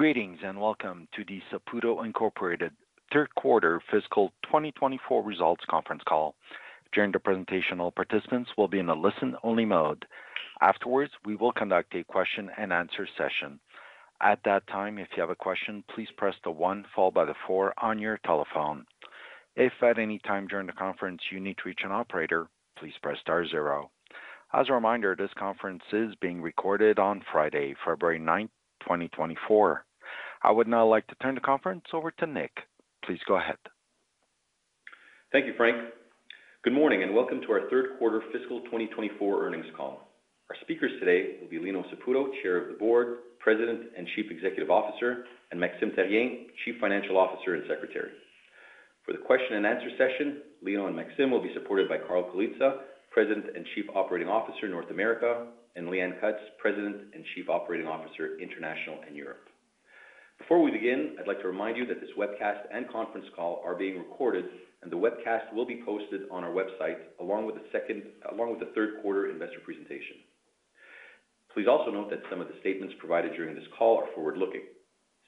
Greetings and welcome to the Saputo Incorporated third quarter fiscal 2024 results conference call. During the presentation, all participants will be in a listen-only mode. Afterwards, we will conduct a question-and-answer session. At that time, if you have a question, please press the one followed by the four on your telephone. If at any time during the conference you need to reach an operator, please press star zero. As a reminder, this conference is being recorded on Friday, February 9th, 2024. I would now like to turn the conference over to Nick. Please go ahead. Thank you, Frank. Good morning and welcome to our third quarter fiscal 2024 earnings call. Our speakers today will be Lino Saputo, Chair of the Board, President and Chief Executive Officer, and Maxime Therrien, Chief Financial Officer and Secretary. For the question-and-answer session, Lino and Maxime will be supported by Carl Colizza, President and Chief Operating Officer North America, and Leanne Cutts, President and Chief Operating Officer International and Europe. Before we begin, I'd like to remind you that this webcast and conference call are being recorded, and the webcast will be posted on our website along with the third quarter investor presentation. Please also note that some of the statements provided during this call are forward-looking.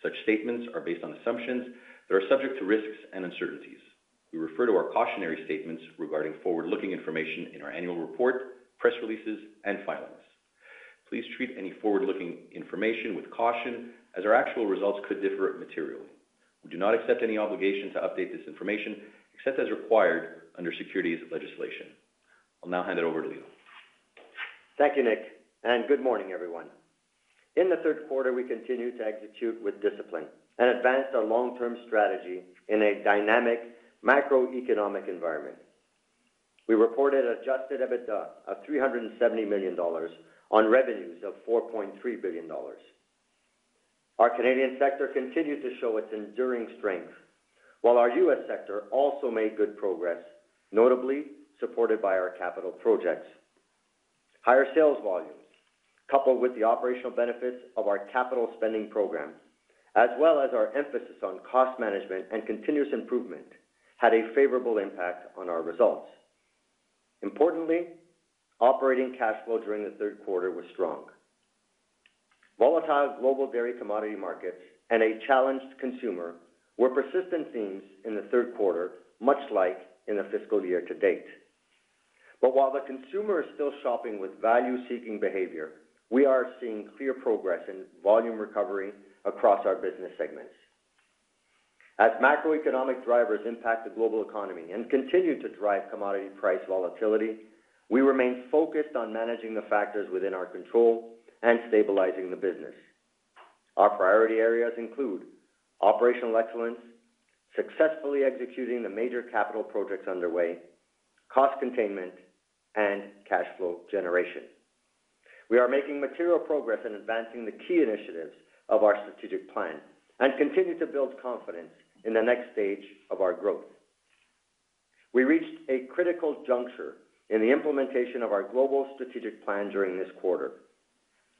Such statements are based on assumptions that are subject to risks and uncertainties. We refer to our cautionary statements regarding forward-looking information in our annual report, press releases, and filings. Please treat any forward-looking information with caution, as our actual results could differ materially. We do not accept any obligation to update this information except as required under securities legislation. I'll now hand it over to Lino. Thank you, Nick, and good morning, everyone. In the third quarter, we continue to execute with discipline and advanced our long-term strategy in a dynamic macroeconomic environment. We reported adjusted EBITDA of 370 million dollars on revenues of 4.3 billion dollars. Our Canadian sector continued to show its enduring strength, while our U.S. sector also made good progress, notably supported by our capital projects. Higher sales volumes, coupled with the operational benefits of our capital spending program, as well as our emphasis on cost management and continuous improvement, had a favorable impact on our results. Importantly, operating cash flow during the third quarter was strong. Volatile global dairy commodity markets and a challenged consumer were persistent themes in the third quarter, much like in the fiscal year to date. But while the consumer is still shopping with value-seeking behavior, we are seeing clear progress in volume recovery across our business segments. As macroeconomic drivers impact the global economy and continue to drive commodity price volatility, we remain focused on managing the factors within our control and stabilizing the business. Our priority areas include operational excellence, successfully executing the major capital projects underway, cost containment, and cash flow generation. We are making material progress in advancing the key initiatives of our strategic plan and continue to build confidence in the next stage of our growth. We reached a critical juncture in the implementation of our global strategic plan during this quarter.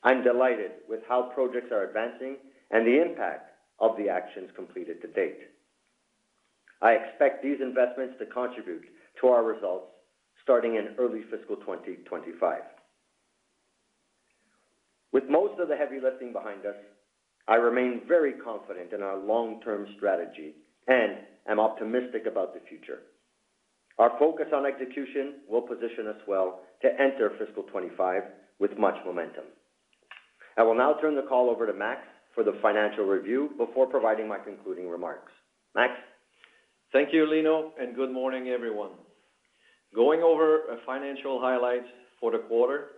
I'm delighted with how projects are advancing and the impact of the actions completed to date. I expect these investments to contribute to our results starting in early fiscal 2025. With most of the heavy lifting behind us, I remain very confident in our long-term strategy and am optimistic about the future. Our focus on execution will position us well to enter fiscal 2025 with much momentum. I will now turn the call over to Max for the financial review before providing my concluding remarks. Max? Thank you, Lino, and good morning, everyone. Going over financial highlights for the quarter: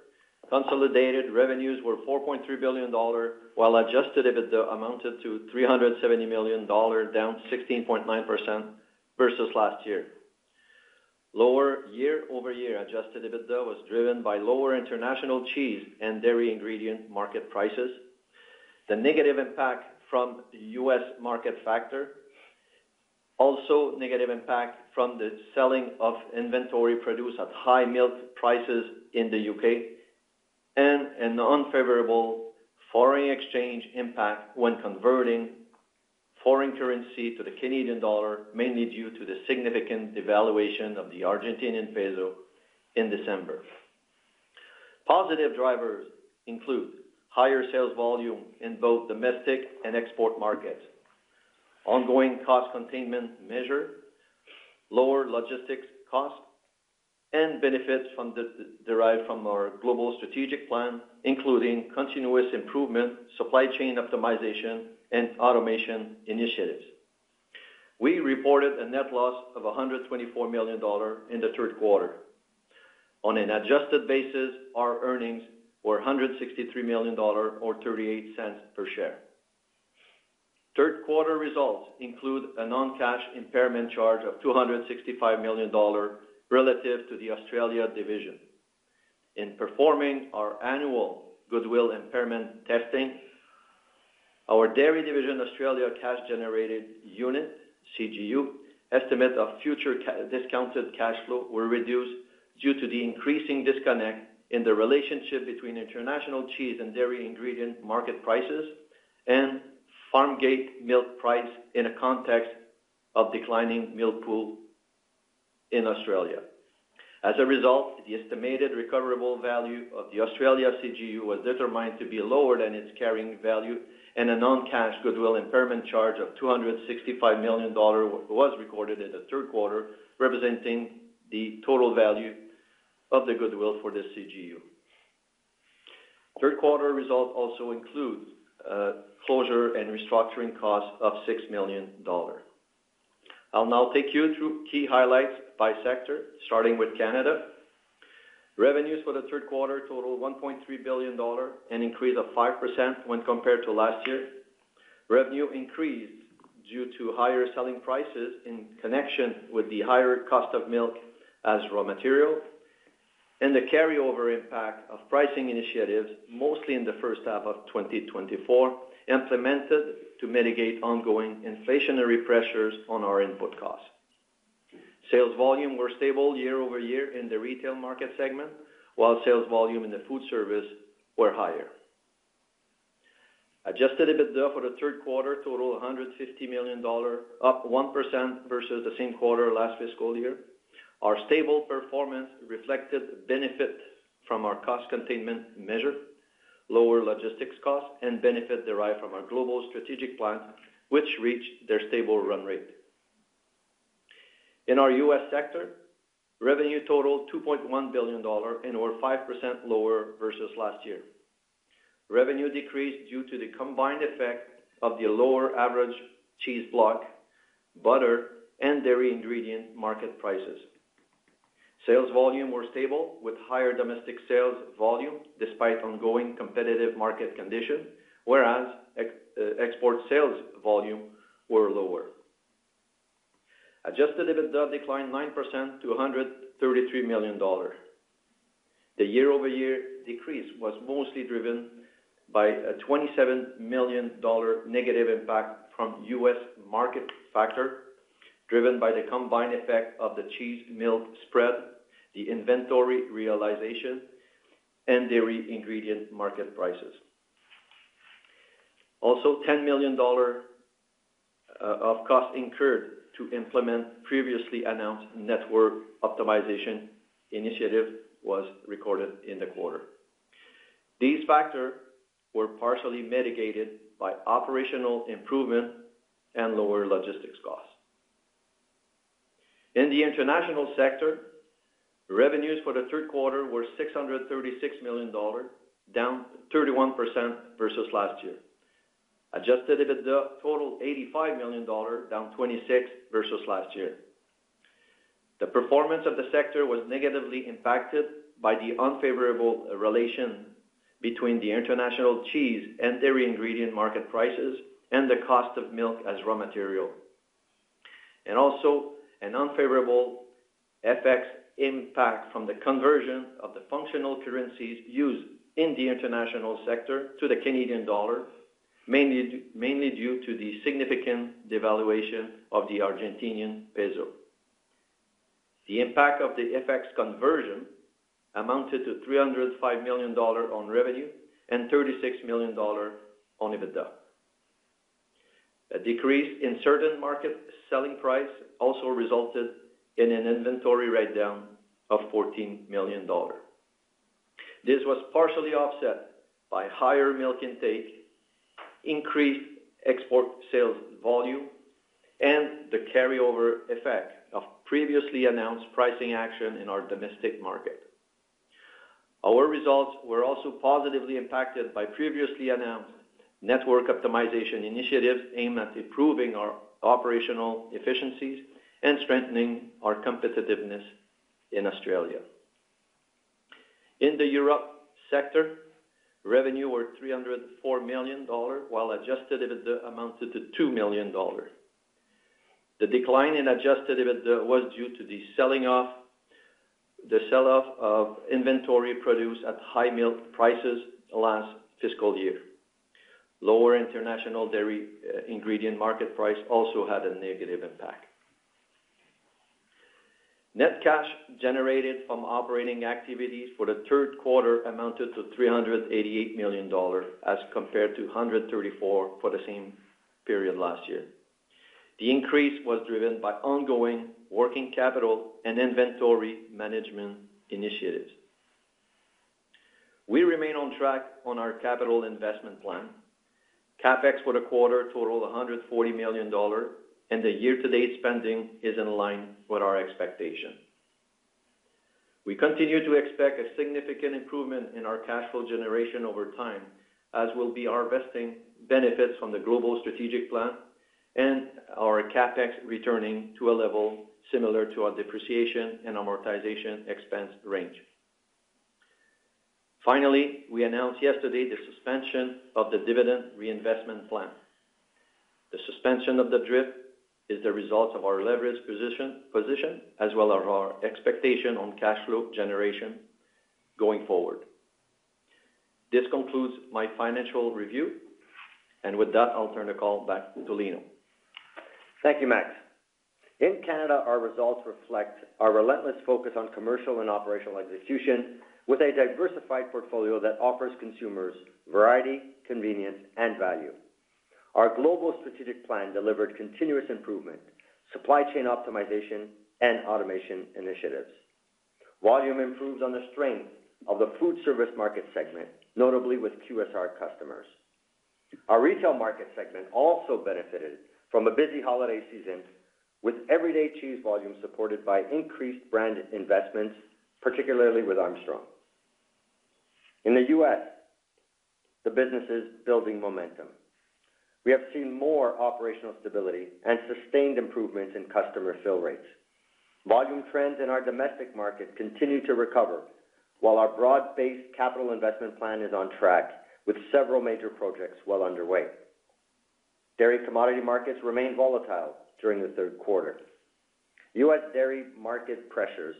consolidated revenues were 4.3 billion dollar, while adjusted EBITDA amounted to 370 million dollar, down 16.9% versus last year. Lower year-over-year adjusted EBITDA was driven by lower international cheese and dairy ingredient market prices, the negative impact from U.S. market factor, also negative impact from the selling of inventory produced at high milk prices in the U.K., and an unfavorable foreign exchange impact when converting foreign currency to the Canadian dollar, mainly due to the significant devaluation of the Argentinian peso in December. Positive drivers include higher sales volume in both domestic and export markets, ongoing cost containment measure, lower logistics costs, and benefits derived from our global strategic plan, including continuous improvement, supply chain optimization, and automation initiatives. We reported a net loss of 124 million dollar in the third quarter. On an adjusted basis, our earnings were 163 million dollar or 0.38 per share. Third quarter results include a non-cash impairment charge of 265 million dollars relative to the Australia division. In performing our annual goodwill impairment testing, our Dairy Division (Australia) cash-generating unit (CGU) estimate of future discounted cash flow was reduced due to the increasing disconnect in the relationship between international cheese and dairy ingredient market prices and Farmgate Milk Price in a context of declining milk pool in Australia. As a result, the estimated recoverable value of the Australia CGU was determined to be lower than its carrying value, and a non-cash goodwill impairment charge of 265 million dollars was recorded in the third quarter, representing the total value of the goodwill for the CGU. Third quarter results also includes closure and restructuring costs of 6 million dollars. I'll now take you through key highlights by sector, starting with Canada. Revenues for the third quarter totaled 1.3 billion dollar, an increase of 5% when compared to last year. Revenue increased due to higher selling prices in connection with the higher cost of milk as raw material and the carryover impact of pricing initiatives, mostly in the first half of 2024, implemented to mitigate ongoing inflationary pressures on our input costs. Sales volume were stable year-over-year in the retail market segment, while sales volume in the food service were higher. Adjusted EBITDA for the third quarter totaled 150 million dollars, up 1% versus the same quarter last fiscal year. Our stable performance reflected benefit from our cost containment measure, lower logistics costs, and benefit derived from our global strategic plan, which reached their stable run rate. In our U.S. sector, revenue totaled 2.1 billion dollar and were 5% lower versus last year. Revenue decreased due to the combined effect of the lower average cheese block, butter, and dairy ingredient market prices. Sales volume were stable with higher domestic sales volume despite ongoing competitive market condition, whereas export sales volume were lower. Adjusted EBITDA declined 9% to 133 million dollars. The year-over-year decrease was mostly driven by a 27 million dollar negative impact from U.S. market factor, driven by the combined effect of the cheese milk spread, the inventory realization, and dairy ingredient market prices. Also, 10 million dollars of cost incurred to implement previously announced Network Optimization Initiative was recorded in the quarter. These factors were partially mitigated by operational improvement and lower logistics costs. In the international sector, revenues for the third quarter were 636 million dollars, down 31% versus last year. Adjusted EBITDA totaled 85 million dollars, down 26% versus last year. The performance of the sector was negatively impacted by the unfavorable relation between the international cheese and dairy ingredient market prices and the cost of milk as raw material, and also an unfavorable FX impact from the conversion of the functional currencies used in the international sector to the Canadian dollar, mainly due to the significant devaluation of the Argentine peso. The impact of the FX conversion amounted to 305 million dollars on revenue and 36 million dollars on EBITDA. A decrease in certain market selling price also resulted in an inventory write-down of 14 million dollars. This was partially offset by higher milk intake, increased export sales volume, and the carryover effect of previously announced pricing action in our domestic market. Our results were also positively impacted by previously announced network optimization initiatives aimed at improving our operational efficiencies and strengthening our competitiveness in Australia. In the Europe sector, revenue were CAD 304 million, while adjusted EBITDA amounted to CAD 2 million. The decline in adjusted EBITDA was due to the sell-off of inventory produced at high milk prices last fiscal year. Lower international dairy ingredient market price also had a negative impact. Net cash generated from operating activities for the third quarter amounted to 388 million dollars as compared to 134 million for the same period last year. The increase was driven by ongoing working capital and inventory management initiatives. We remain on track on our capital investment plan. CapEx for the quarter totaled 140 million dollars, and the year-to-date spending is in line with our expectation. We continue to expect a significant improvement in our cash flow generation over time, as we'll be harvesting benefits from the global strategic plan and our CapEx returning to a level similar to our depreciation and amortization expense range. Finally, we announced yesterday the suspension of the dividend reinvestment plan. The suspension of the DRIP is the result of our leverage position as well as our expectation on cash flow generation going forward. This concludes my financial review, and with that, I'll turn the call back to Lino. Thank you, Max. In Canada, our results reflect our relentless focus on commercial and operational execution with a diversified portfolio that offers consumers variety, convenience, and value. Our global strategic plan delivered continuous improvement, supply chain optimization, and automation initiatives. Volume improved on the strength of the food service market segment, notably with QSR customers. Our retail market segment also benefited from a busy holiday season, with everyday cheese volume supported by increased brand investments, particularly with Armstrong. In the U.S., the business is building momentum. We have seen more operational stability and sustained improvements in customer fill rates. Volume trends in our domestic market continue to recover, while our broad-based capital investment plan is on track with several major projects well underway. Dairy commodity markets remain volatile during the third quarter. U.S. dairy market pressures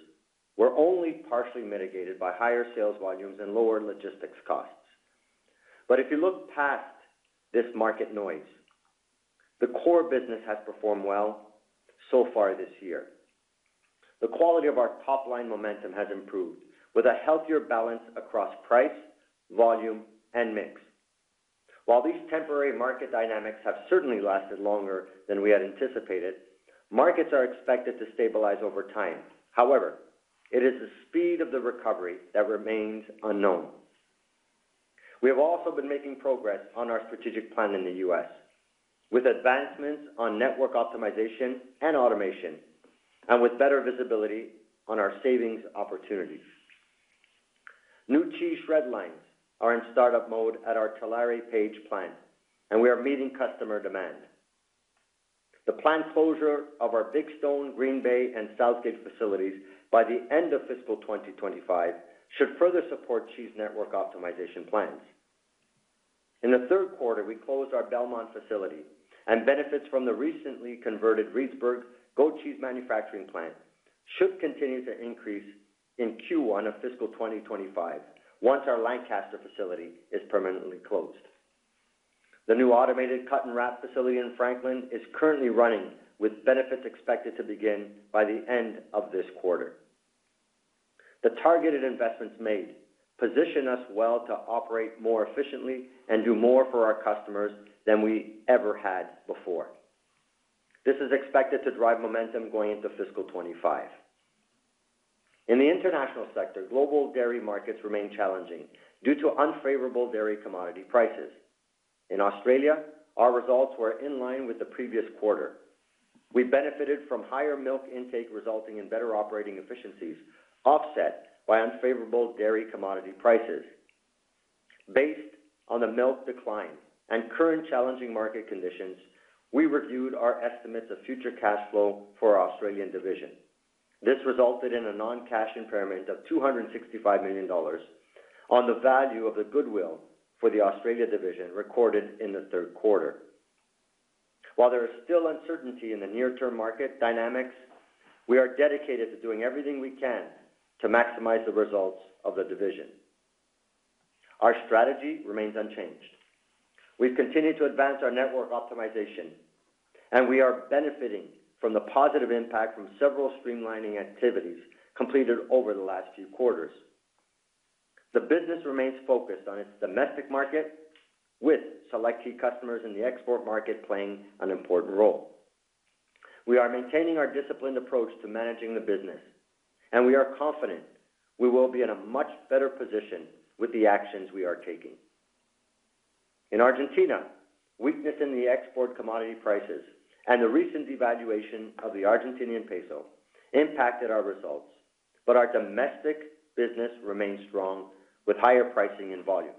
were only partially mitigated by higher sales volumes and lower logistics costs. But if you look past this market noise, the core business has performed well so far this year. The quality of our top-line momentum has improved, with a healthier balance across price, volume, and mix. While these temporary market dynamics have certainly lasted longer than we had anticipated, markets are expected to stabilize over time. However, it is the speed of the recovery that remains unknown. We have also been making progress on our strategic plan in the U.S., with advancements on network optimization and automation, and with better visibility on our savings opportunities. New cheese shred lines are in startup mode at our Tulare plant, and we are meeting customer demand. The planned closure of our Big Stone, Green Bay, and South Gate facilities by the end of fiscal 2025 should further support cheese network optimization plans. In the third quarter, we closed our Belmont facility, and benefits from the recently converted Reedsburg goat cheese manufacturing plant should continue to increase in Q1 of fiscal 2025 once our Lancaster facility is permanently closed. The new automated cut-and-wrap facility in Franklin is currently running, with benefits expected to begin by the end of this quarter. The targeted investments made position us well to operate more efficiently and do more for our customers than we ever had before. This is expected to drive momentum going into fiscal 2025. In the international sector, global dairy markets remain challenging due to unfavorable dairy commodity prices. In Australia, our results were in line with the previous quarter. We benefited from higher milk intake resulting in better operating efficiencies, offset by unfavorable dairy commodity prices. Based on the milk decline and current challenging market conditions, we reviewed our estimates of future cash flow for our Australian division. This resulted in a non-cash impairment of 265 million dollars on the value of the goodwill for the Australia division recorded in the third quarter. While there is still uncertainty in the near-term market dynamics, we are dedicated to doing everything we can to maximize the results of the division. Our strategy remains unchanged. We've continued to advance our network optimization, and we are benefiting from the positive impact from several streamlining activities completed over the last few quarters. The business remains focused on its domestic market, with select key customers in the export market playing an important role. We are maintaining our disciplined approach to managing the business, and we are confident we will be in a much better position with the actions we are taking. In Argentina, weakness in the export commodity prices and the recent devaluation of the Argentine peso impacted our results, but our domestic business remains strong with higher pricing and volumes.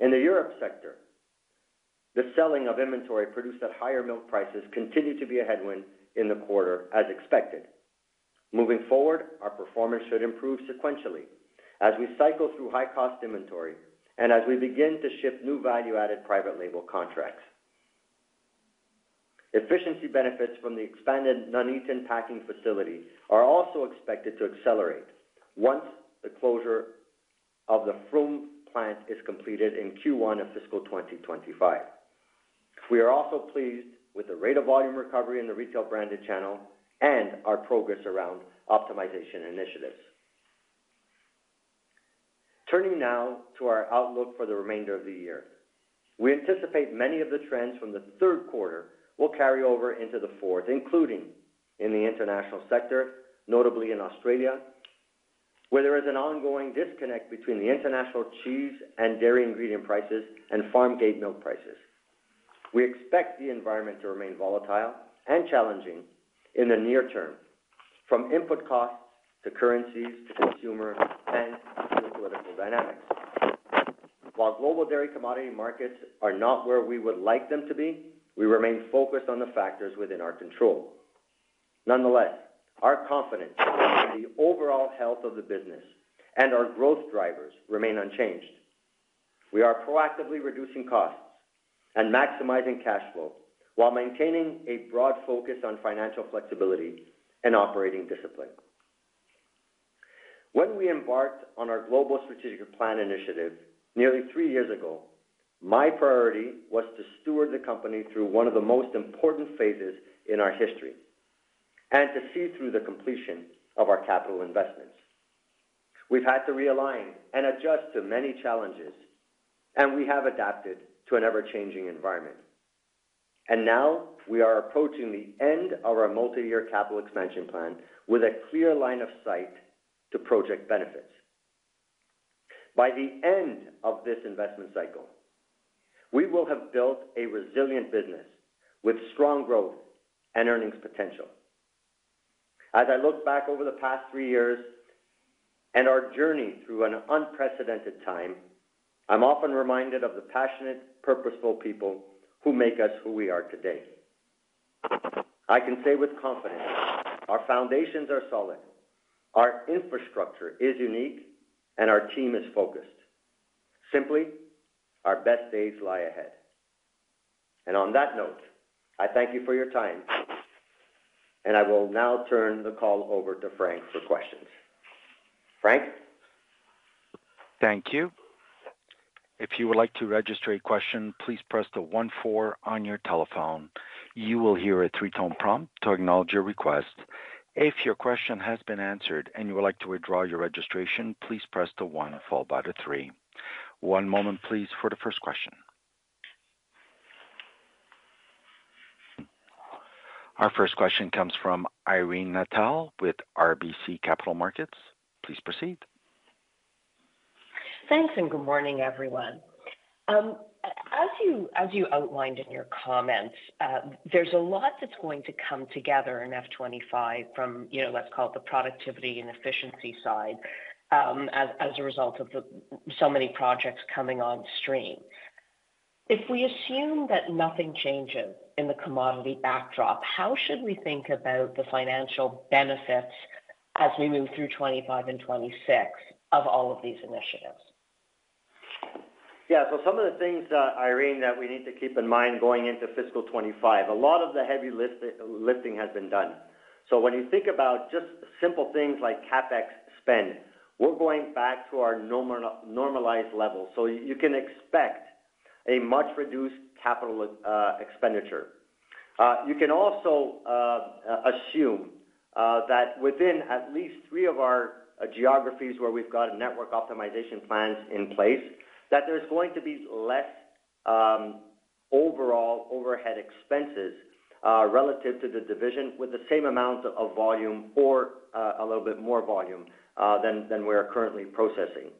In the Europe sector, the selling of inventory produced at higher milk prices continued to be a headwind in the quarter as expected. Moving forward, our performance should improve sequentially as we cycle through high-cost inventory and as we begin to shift new value-added private label contracts. Efficiency benefits from the expanded Nuneaton packing facility are also expected to accelerate once the closure of the Frome plant is completed in Q1 of fiscal 2025. We are also pleased with the rate of volume recovery in the retail branded channel and our progress around optimization initiatives. Turning now to our outlook for the remainder of the year, we anticipate many of the trends from the third quarter will carry over into the fourth, including in the international sector, notably in Australia, where there is an ongoing disconnect between the international cheese and dairy ingredient prices and Farmgate Milk Prices. We expect the environment to remain volatile and challenging in the near term, from input costs to currencies to consumer and geopolitical dynamics. While global dairy commodity markets are not where we would like them to be, we remain focused on the factors within our control. Nonetheless, our confidence in the overall health of the business and our growth drivers remain unchanged. We are proactively reducing costs and maximizing cash flow while maintaining a broad focus on financial flexibility and operating discipline. When we embarked on our global strategic plan initiative nearly three years ago, my priority was to steward the company through one of the most important phases in our history and to see through the completion of our capital investments. We've had to realign and adjust to many challenges, and we have adapted to an ever-changing environment. Now we are approaching the end of our multi-year capital expansion plan with a clear line of sight to project benefits. By the end of this investment cycle, we will have built a resilient business with strong growth and earnings potential. As I look back over the past three years and our journey through an unprecedented time, I'm often reminded of the passionate, purposeful people who make us who we are today. I can say with confidence, our foundations are solid, our infrastructure is unique, and our team is focused. Simply, our best days lie ahead. On that note, I thank you for your time, and I will now turn the call over to Frank for questions. Frank? Thank you. If you would like to register a question, please press star one on your telephone. You will hear a three-tone prompt to acknowledge your request. If your question has been answered and you would like to withdraw your registration, please press one followed by three. One moment, please, for the first question. Our first question comes from Irene Nattel with RBC Capital Markets. Please proceed. Thanks, and good morning, everyone. As you outlined in your comments, there's a lot that's going to come together in F25 from, let's call it, the productivity and efficiency side as a result of so many projects coming on stream. If we assume that nothing changes in the commodity backdrop, how should we think about the financial benefits as we move through 2025 and 2026 of all of these initiatives? Yeah, so some of the things, Irene, that we need to keep in mind going into fiscal 2025, a lot of the heavy lifting has been done. So when you think about just simple things like CapEx spend, we're going back to our normalized levels. So you can expect a much reduced capital expenditure. You can also assume that within at least three of our geographies where we've got network optimization plans in place, that there's going to be less overall overhead expenses relative to the division with the same amount of volume or a little bit more volume than we're currently processing.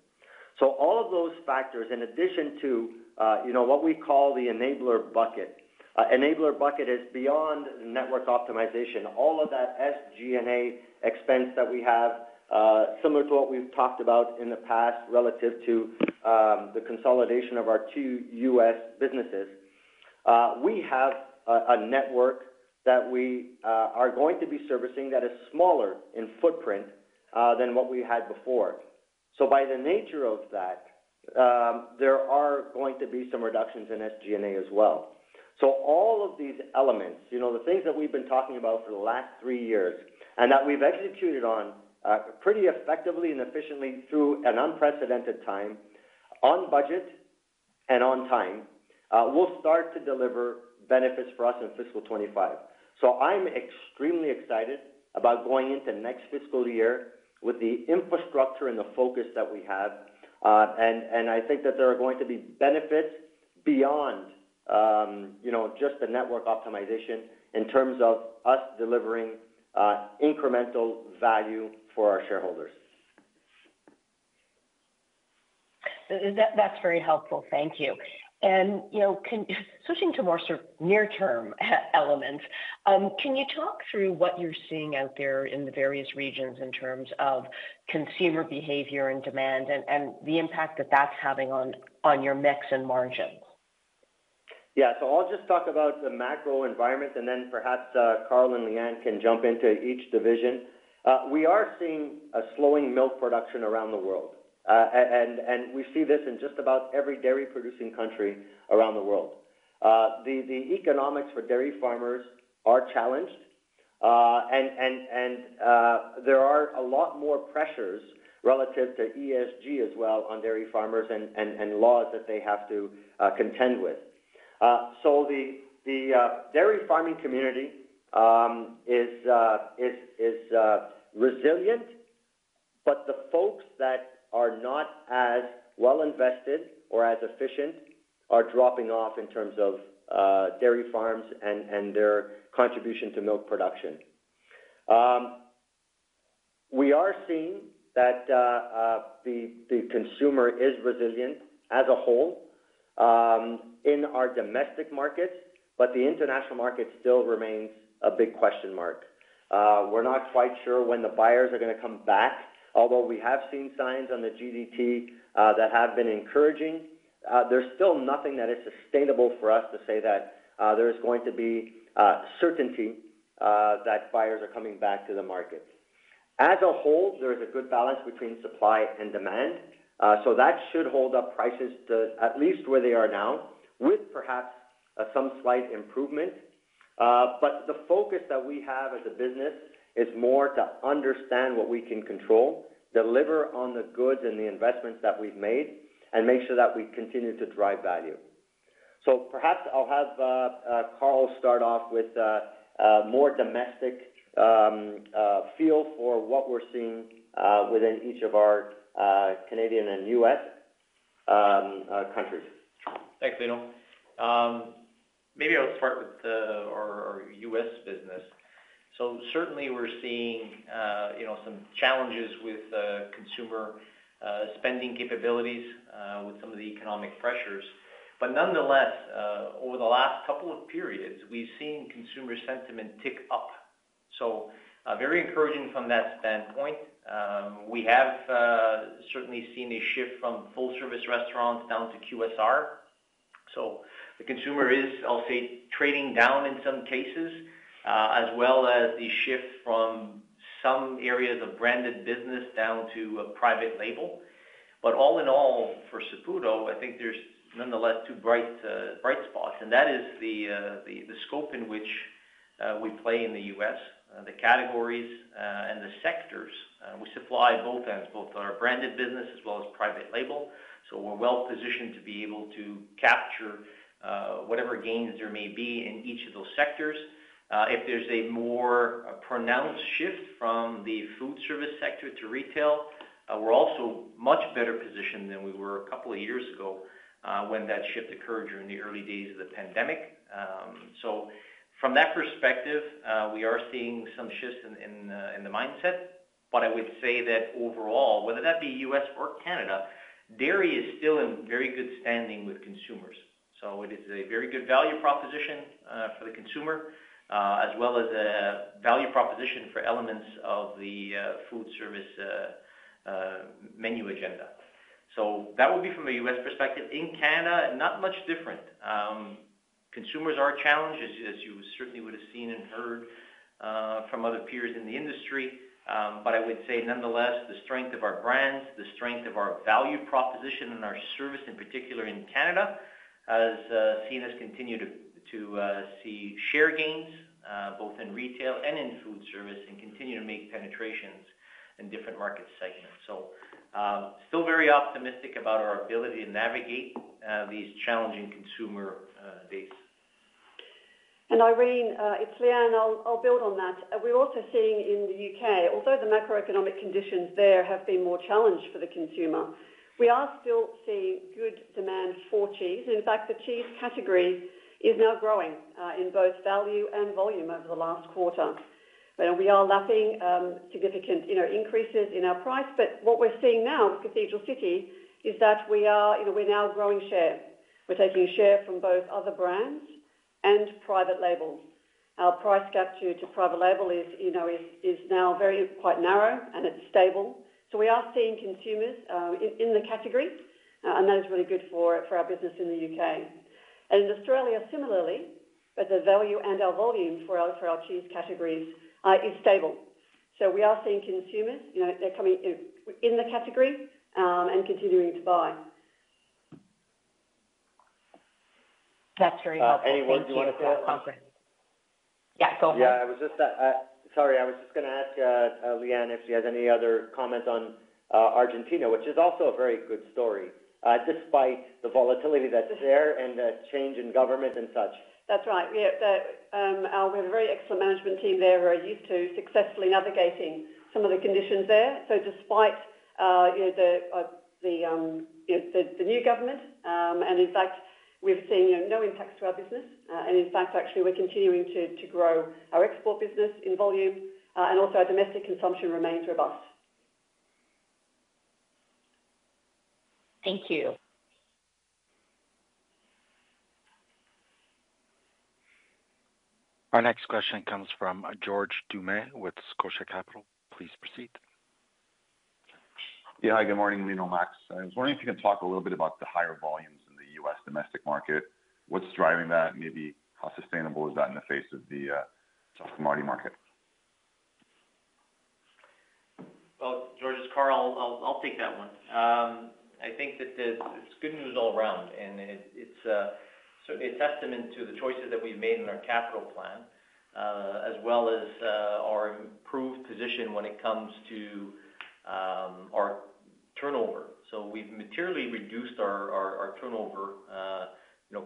So all of those factors, in addition to what we call the Enabler Bucket Enabler Bucket is beyond Network Optimization, all of that SG&A expense that we have, similar to what we've talked about in the past relative to the consolidation of our two U.S. businesses, we have a network that we are going to be servicing that is smaller in footprint than what we had before. So by the nature of that, there are going to be some reductions in SG&A as well. So all of these elements, the things that we've been talking about for the last three years and that we've executed on pretty effectively and efficiently through an unprecedented time, on budget and on time, will start to deliver benefits for us in fiscal 2025. So I'm extremely excited about going into next fiscal year with the infrastructure and the focus that we have, and I think that there are going to be benefits beyond just the network optimization in terms of us delivering incremental value for our shareholders. That's very helpful. Thank you. Switching to more near-term elements, can you talk through what you're seeing out there in the various regions in terms of consumer behavior and demand and the impact that that's having on your mix and margins? Yeah, so I'll just talk about the macro environment, and then perhaps Carl and Leanne can jump into each division. We are seeing a slowing milk production around the world, and we see this in just about every dairy-producing country around the world. The economics for dairy farmers are challenged, and there are a lot more pressures relative to ESG as well on dairy farmers and laws that they have to contend with. So the dairy farming community is resilient, but the folks that are not as well invested or as efficient are dropping off in terms of dairy farms and their contribution to milk production. We are seeing that the consumer is resilient as a whole in our domestic markets, but the international market still remains a big question mark. We're not quite sure when the buyers are going to come back, although we have seen signs on the GDP that have been encouraging. There's still nothing that is sustainable for us to say that there is going to be certainty that buyers are coming back to the market. As a whole, there is a good balance between supply and demand, so that should hold up prices to at least where they are now with perhaps some slight improvement. But the focus that we have as a business is more to understand what we can control, deliver on the goods and the investments that we've made, and make sure that we continue to drive value. So perhaps I'll have Carl start off with a more domestic feel for what we're seeing within each of our Canadian and U.S. countries. Thanks, Lino. Maybe I'll start with our U.S. business. So certainly, we're seeing some challenges with consumer spending capabilities with some of the economic pressures. But nonetheless, over the last couple of periods, we've seen consumer sentiment tick up. So very encouraging from that standpoint. We have certainly seen a shift from full-service restaurants down to QSR. So the consumer is, I'll say, trading down in some cases as well as the shift from some areas of branded business down to private label. But all in all, for Saputo, I think there's nonetheless two bright spots, and that is the scope in which we play in the U.S., the categories, and the sectors. We supply both ends, both our branded business as well as private label, so we're well positioned to be able to capture whatever gains there may be in each of those sectors. If there's a more pronounced shift from the food service sector to retail, we're also much better positioned than we were a couple of years ago when that shift occurred during the early days of the pandemic. So from that perspective, we are seeing some shifts in the mindset. But I would say that overall, whether that be U.S. or Canada, dairy is still in very good standing with consumers. So it is a very good value proposition for the consumer as well as a value proposition for elements of the food service menu agenda. So that would be from a U.S. perspective. In Canada, not much different. Consumers are a challenge, as you certainly would have seen and heard from other peers in the industry. I would say nonetheless, the strength of our brands, the strength of our value proposition, and our service in particular in Canada has seen us continue to see share gains both in retail and in food service and continue to make penetrations in different market segments. Still very optimistic about our ability to navigate these challenging consumer days. Irene, it's Leanne. I'll build on that. We're also seeing in the U.K., although the macroeconomic conditions there have been more challenged for the consumer, we are still seeing good demand for cheese. In fact, the cheese category is now growing in both value and volume over the last quarter. We are lapping significant increases in our price, but what we're seeing now with Cathedral City is that we're now growing share. We're taking share from both other brands and private labels. Our price gap to private label is now quite narrow, and it's stable. So we are seeing consumers in the category, and that is really good for our business in the U.K. In Australia, similarly, both the value and our volume for our cheese categories is stable. We are seeing consumers, they're coming in the category and continuing to buy. That's very helpful. Anyone, do you want to follow up? Yeah, go ahead. Yeah, I was just sorry. I was just going to ask Leanne if she has any other comments on Argentina, which is also a very good story despite the volatility that's there and the change in government and such. That's right. Yeah, we have a very excellent management team there who are used to successfully navigating some of the conditions there. So despite the new government, and in fact, we've seen no impacts to our business. And in fact, actually, we're continuing to grow our export business in volume, and also our domestic consumption remains robust. Thank you. Our next question comes from George Doumet with Scotia Capital. Please proceed. Yeah, hi. Good morning, Lino, Max. I was wondering if you could talk a little bit about the higher volumes in the U.S. domestic market. What's driving that? Maybe how sustainable is that in the face of the soft commodity market? Well, George, it's Carl, I'll take that one. I think that it's good news all around, and it's certainly a testament to the choices that we've made in our capital plan as well as our improved position when it comes to our turnover. So we've materially reduced our turnover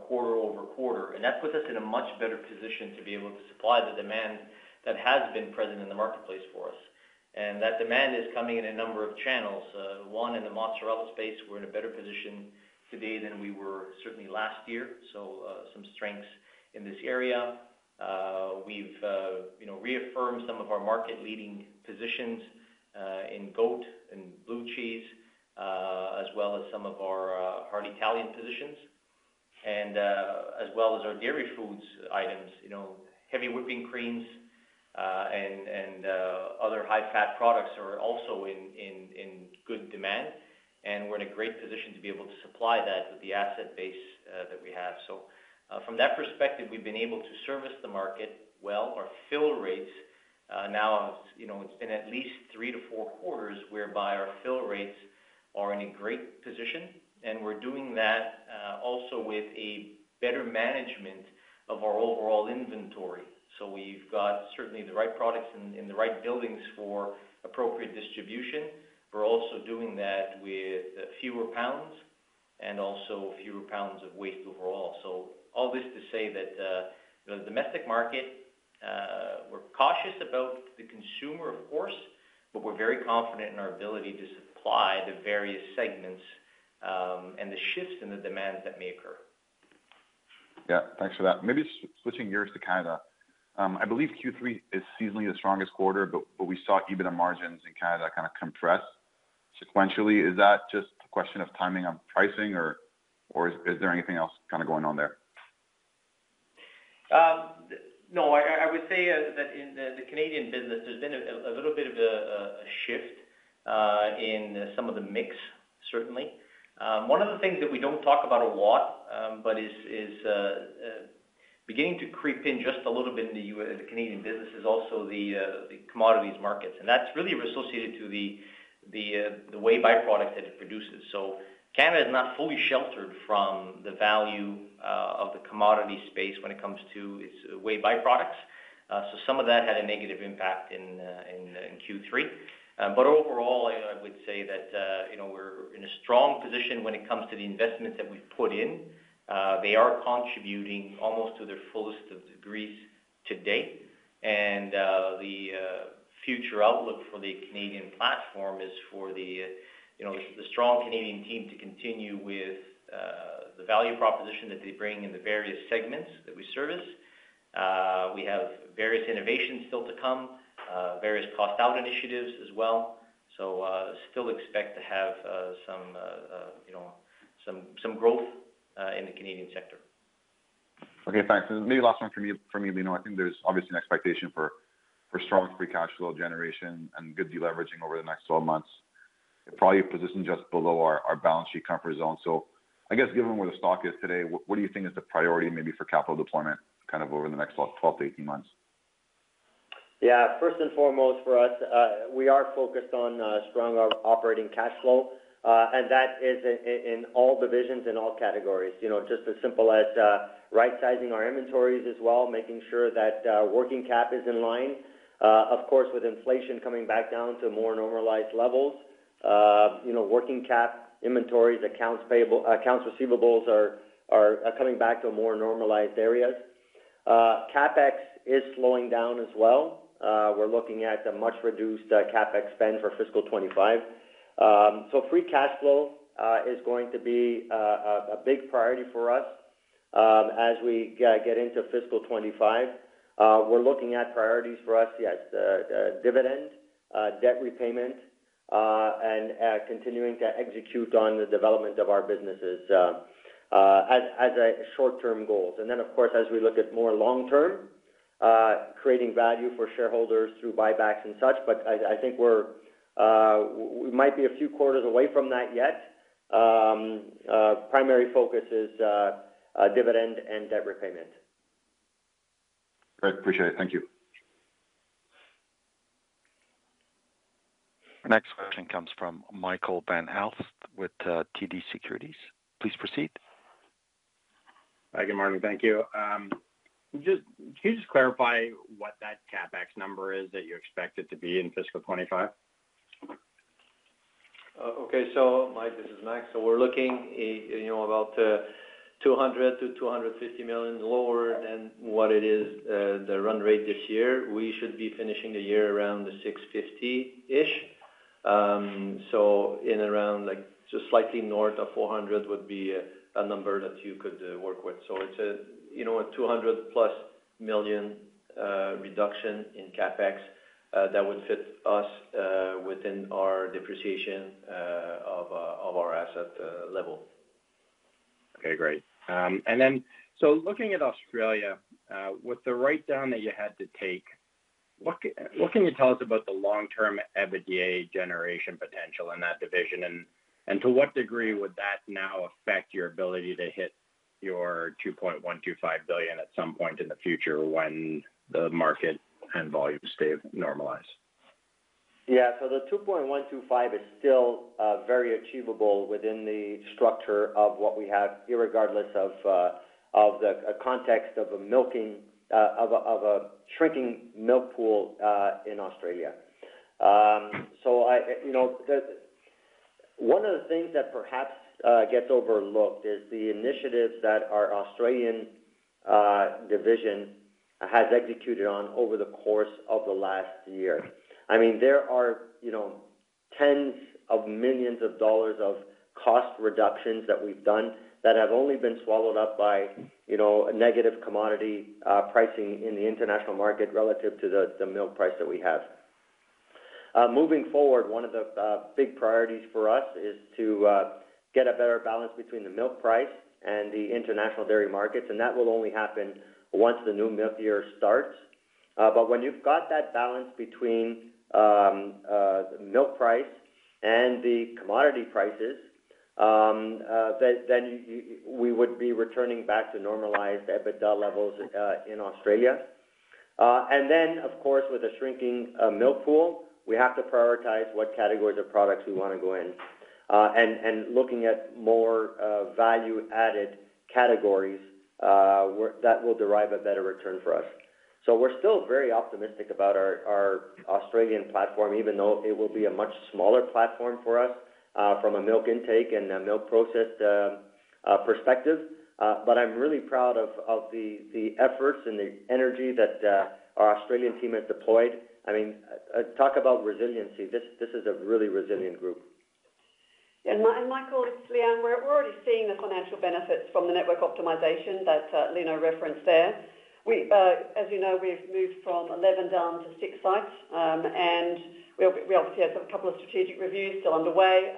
quarter-over-quarter, and that puts us in a much better position to be able to supply the demand that has been present in the marketplace for us. And that demand is coming in a number of channels. One, in the mozzarella space, we're in a better position today than we were certainly last year. So some strengths in this area. We've reaffirmed some of our market-leading positions in goat and blue cheese as well as some of our hard Italian positions as well as our dairy foods items. Heavy whipping creams and other high-fat products are also in good demand, and we're in a great position to be able to supply that with the asset base that we have. So from that perspective, we've been able to service the market well. Our fill rates, now it's been at least three to four quarters whereby our fill rates are in a great position, and we're doing that also with a better management of our overall inventory. So we've got certainly the right products in the right buildings for appropriate distribution. We're also doing that with fewer pounds and also fewer pounds of waste overall. So all this to say that the domestic market, we're cautious about the consumer, of course, but we're very confident in our ability to supply the various segments and the shifts in the demands that may occur. Yeah, thanks for that. Maybe switching gears to Canada. I believe Q3 is seasonally the strongest quarter, but we saw EBITDA margins in Canada kind of compress sequentially. Is that just a question of timing on pricing, or is there anything else kind of going on there? No, I would say that in the Canadian business, there's been a little bit of a shift in some of the mix, certainly. One of the things that we don't talk about a lot but is beginning to creep in just a little bit in the Canadian business is also the commodities markets, and that's really associated to the whey byproducts that it produces. So Canada is not fully sheltered from the value of the commodity space when it comes to its whey byproducts. So some of that had a negative impact in Q3. But overall, I would say that we're in a strong position when it comes to the investments that we've put in. They are contributing almost to their fullest of degrees today, and the future outlook for the Canadian platform is for the strong Canadian team to continue with the value proposition that they bring in the various segments that we service. We have various innovations still to come, various cost-out initiatives as well. So still expect to have some growth in the Canadian sector. Okay, thanks. And maybe last one from you, Lino. I think there's obviously an expectation for strong free cash flow generation and good deleveraging over the next 12 months. It probably positions just below our balance sheet comfort zone. So I guess given where the stock is today, what do you think is the priority maybe for capital deployment kind of over the next 12-18 months? Yeah, first and foremost for us, we are focused on strong operating cash flow, and that is in all divisions, in all categories. Just as simple as right-sizing our inventories as well, making sure that working cap is in line, of course, with inflation coming back down to more normalized levels. Working cap inventories, accounts receivables are coming back to more normalized areas. CapEx is slowing down as well. We're looking at a much reduced CapEx spend for fiscal 2025. So free cash flow is going to be a big priority for us as we get into fiscal 2025. We're looking at priorities for us, yes, the dividend, debt repayment, and continuing to execute on the development of our businesses as short-term goals. And then, of course, as we look at more long-term, creating value for shareholders through buybacks and such. But I think we might be a few quarters away from that yet. Primary focus is dividend and debt repayment. Great. Appreciate it. Thank you. Next question comes from Michael Van Aelst with TD Securities. Please proceed. Hi, good morning. Thank you. Can you just clarify what that CapEx number is that you expect it to be in fiscal 2025? Okay, so Mike, this is Max. So we're looking about 200 million-250 million lower than what it is the run rate this year. We should be finishing the year around the 650 million-ish. So in around just slightly north of 400 million would be a number that you could work with. So it's a 200 million+ reduction in CapEx that would fit us within our depreciation of our asset level. Okay, great. And then so looking at Australia, with the write-down that you had to take, what can you tell us about the long-term EBITDA generation potential in that division, and to what degree would that now affect your ability to hit your 2.125 billion at some point in the future when the market and volume stay normalized? Yeah, so the 2.125 billion is still very achievable within the structure of what we have irregardless of the context of a shrinking milk pool in Australia. So one of the things that perhaps gets overlooked is the initiatives that our Australian division has executed on over the course of the last year. I mean, there are tens of millions of dollars of cost reductions that we've done that have only been swallowed up by negative commodity pricing in the international market relative to the milk price that we have. Moving forward, one of the big priorities for us is to get a better balance between the milk price and the international dairy markets, and that will only happen once the new milk year starts. But when you've got that balance between the milk price and the commodity prices, then we would be returning back to normalized EBITDA levels in Australia. Then, of course, with a shrinking milk pool, we have to prioritize what categories of products we want to go in. Looking at more value-added categories, that will derive a better return for us. We're still very optimistic about our Australian platform, even though it will be a much smaller platform for us from a milk intake and a milk process perspective. I'm really proud of the efforts and the energy that our Australian team has deployed. I mean, talk about resiliency. This is a really resilient group. And Michael, it's Leanne. We're already seeing the financial benefits from the network optimization that Lino referenced there. As you know, we've moved from 11 down to six sites, and we obviously have a couple of strategic reviews still underway.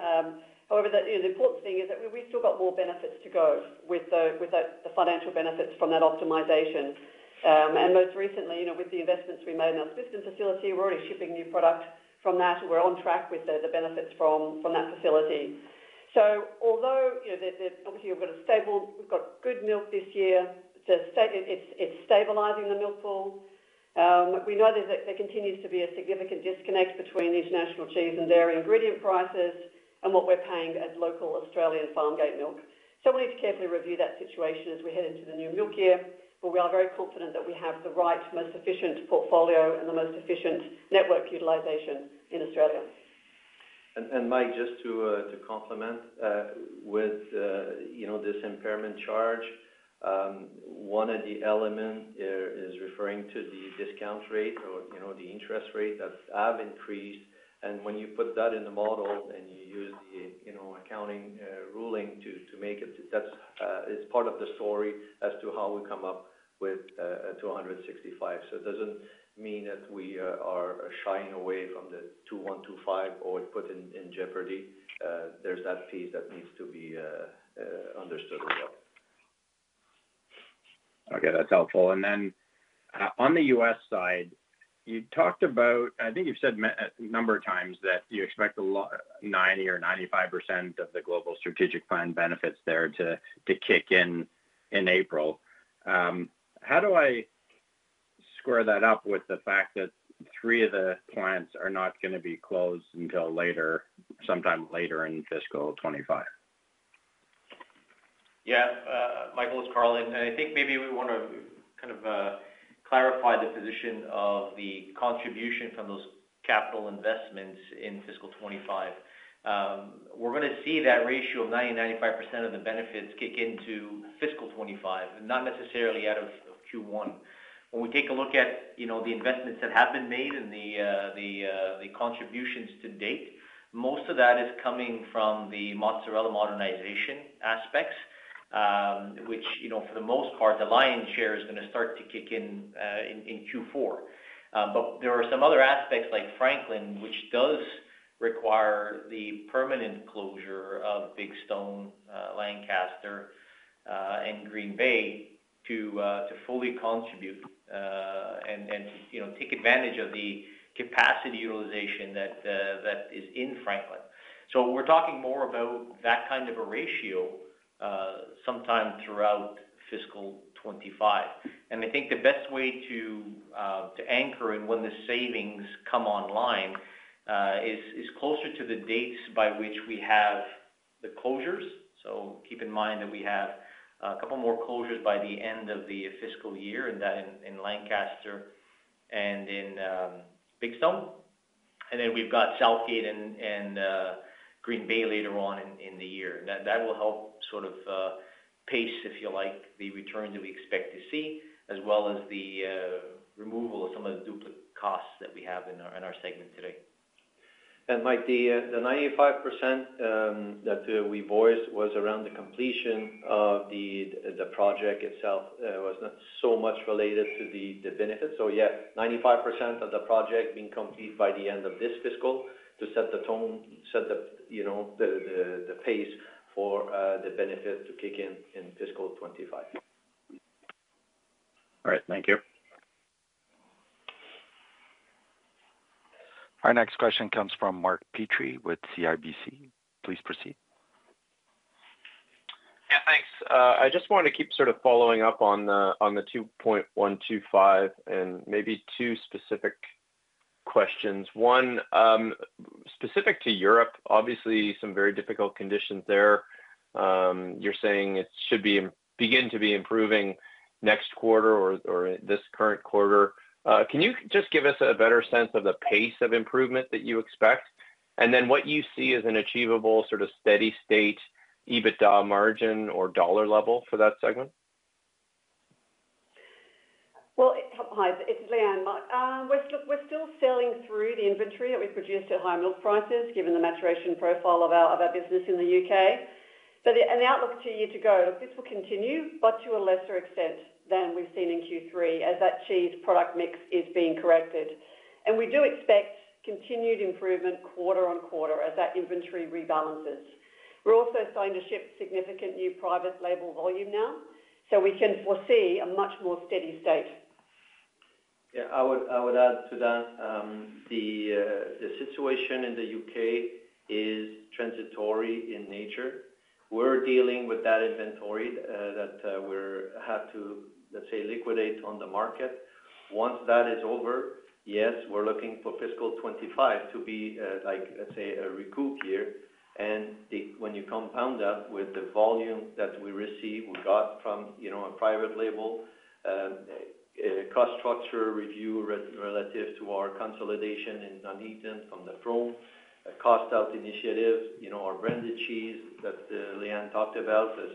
However, the important thing is that we've still got more benefits to go with the financial benefits from that optimization. And most recently, with the investments we made in our Smithton facility, we're already shipping new product from that, and we're on track with the benefits from that facility. So although obviously, we've got a stable we've got good milk this year. It's stabilizing the milk pool. We know that there continues to be a significant disconnect between international cheese and dairy ingredient prices and what we're paying at local Australian farmgate milk. So we need to carefully review that situation as we head into the new milk year, but we are very confident that we have the right, most efficient portfolio and the most efficient network utilization in Australia. Mike, just to complement, with this impairment charge, one of the elements is referring to the discount rate or the interest rate that have increased. When you put that in the model and you use the accounting ruling to make it, it's part of the story as to how we come up with 265 million. It doesn't mean that we are shying away from the 2.125 billion or put in jeopardy. There's that piece that needs to be understood as well. Okay, that's helpful. And then on the U.S. side, you talked about I think you've said a number of times that you expect a lot 90% or 95% of the global strategic plan benefits there to kick in in April. How do I square that up with the fact that three of the plants are not going to be closed until later sometime later in fiscal 2025? Yeah, Michael, as Carl, and I think maybe we want to kind of clarify the position of the contribution from those capital investments in fiscal 2025. We're going to see that ratio of 90%-95% of the benefits kick into fiscal 2025, not necessarily out of Q1. When we take a look at the investments that have been made and the contributions to date, most of that is coming from the mozzarella modernization aspects, which for the most part, the lion's share is going to start to kick in in Q4. But there are some other aspects like Franklin, which does require the permanent closure of Big Stone, Lancaster, and Green Bay to fully contribute and to take advantage of the capacity utilization that is in Franklin. So we're talking more about that kind of a ratio sometime throughout fiscal 2025. I think the best way to anchor and when the savings come online is closer to the dates by which we have the closures. So keep in mind that we have a couple more closures by the end of the fiscal year in Lancaster and in Big Stone. Then we've got South Gate and Green Bay later on in the year. That will help sort of pace, if you like, the returns that we expect to see as well as the removal of some of the duplicate costs that we have in our segment today. Mike, the 95% that we voiced was around the completion of the project itself. It was not so much related to the benefits. So yeah, 95% of the project being complete by the end of this fiscal to set the tone, set the pace for the benefit to kick in in fiscal 2025. All right, thank you. Our next question comes from Mark Petrie with CIBC. Please proceed. Yeah, thanks. I just wanted to keep sort of following up on the 2.125 billion and maybe two specific questions. One, specific to Europe, obviously, some very difficult conditions there. You're saying it should begin to be improving next quarter or this current quarter. Can you just give us a better sense of the pace of improvement that you expect and then what you see as an achievable sort of steady state EBITDA margin or dollar level for that segment? Well, hi, it's Leanne. Look, we're still sailing through the inventory that we've produced at higher milk prices given the maturation profile of our business in the U.K. But an outlook two years to go, look, this will continue but to a lesser extent than we've seen in Q3 as that cheese product mix is being corrected. And we do expect continued improvement quarter-over-quarter as that inventory rebalances. We're also starting to ship significant new private label volume now, so we can foresee a much more steady state. Yeah, I would add to that. The situation in the U.K. is transitory in nature. We're dealing with that inventory that we have to, let's say, liquidate on the market. Once that is over, yes, we're looking for fiscal 2025 to be like, let's say, a recoup year. And when you compound that with the volume that we receive, we got from a private label cost structure review relative to our consolidation in Nuneaton from the Frome, a cost-out initiative, our branded cheese that Leanne talked about as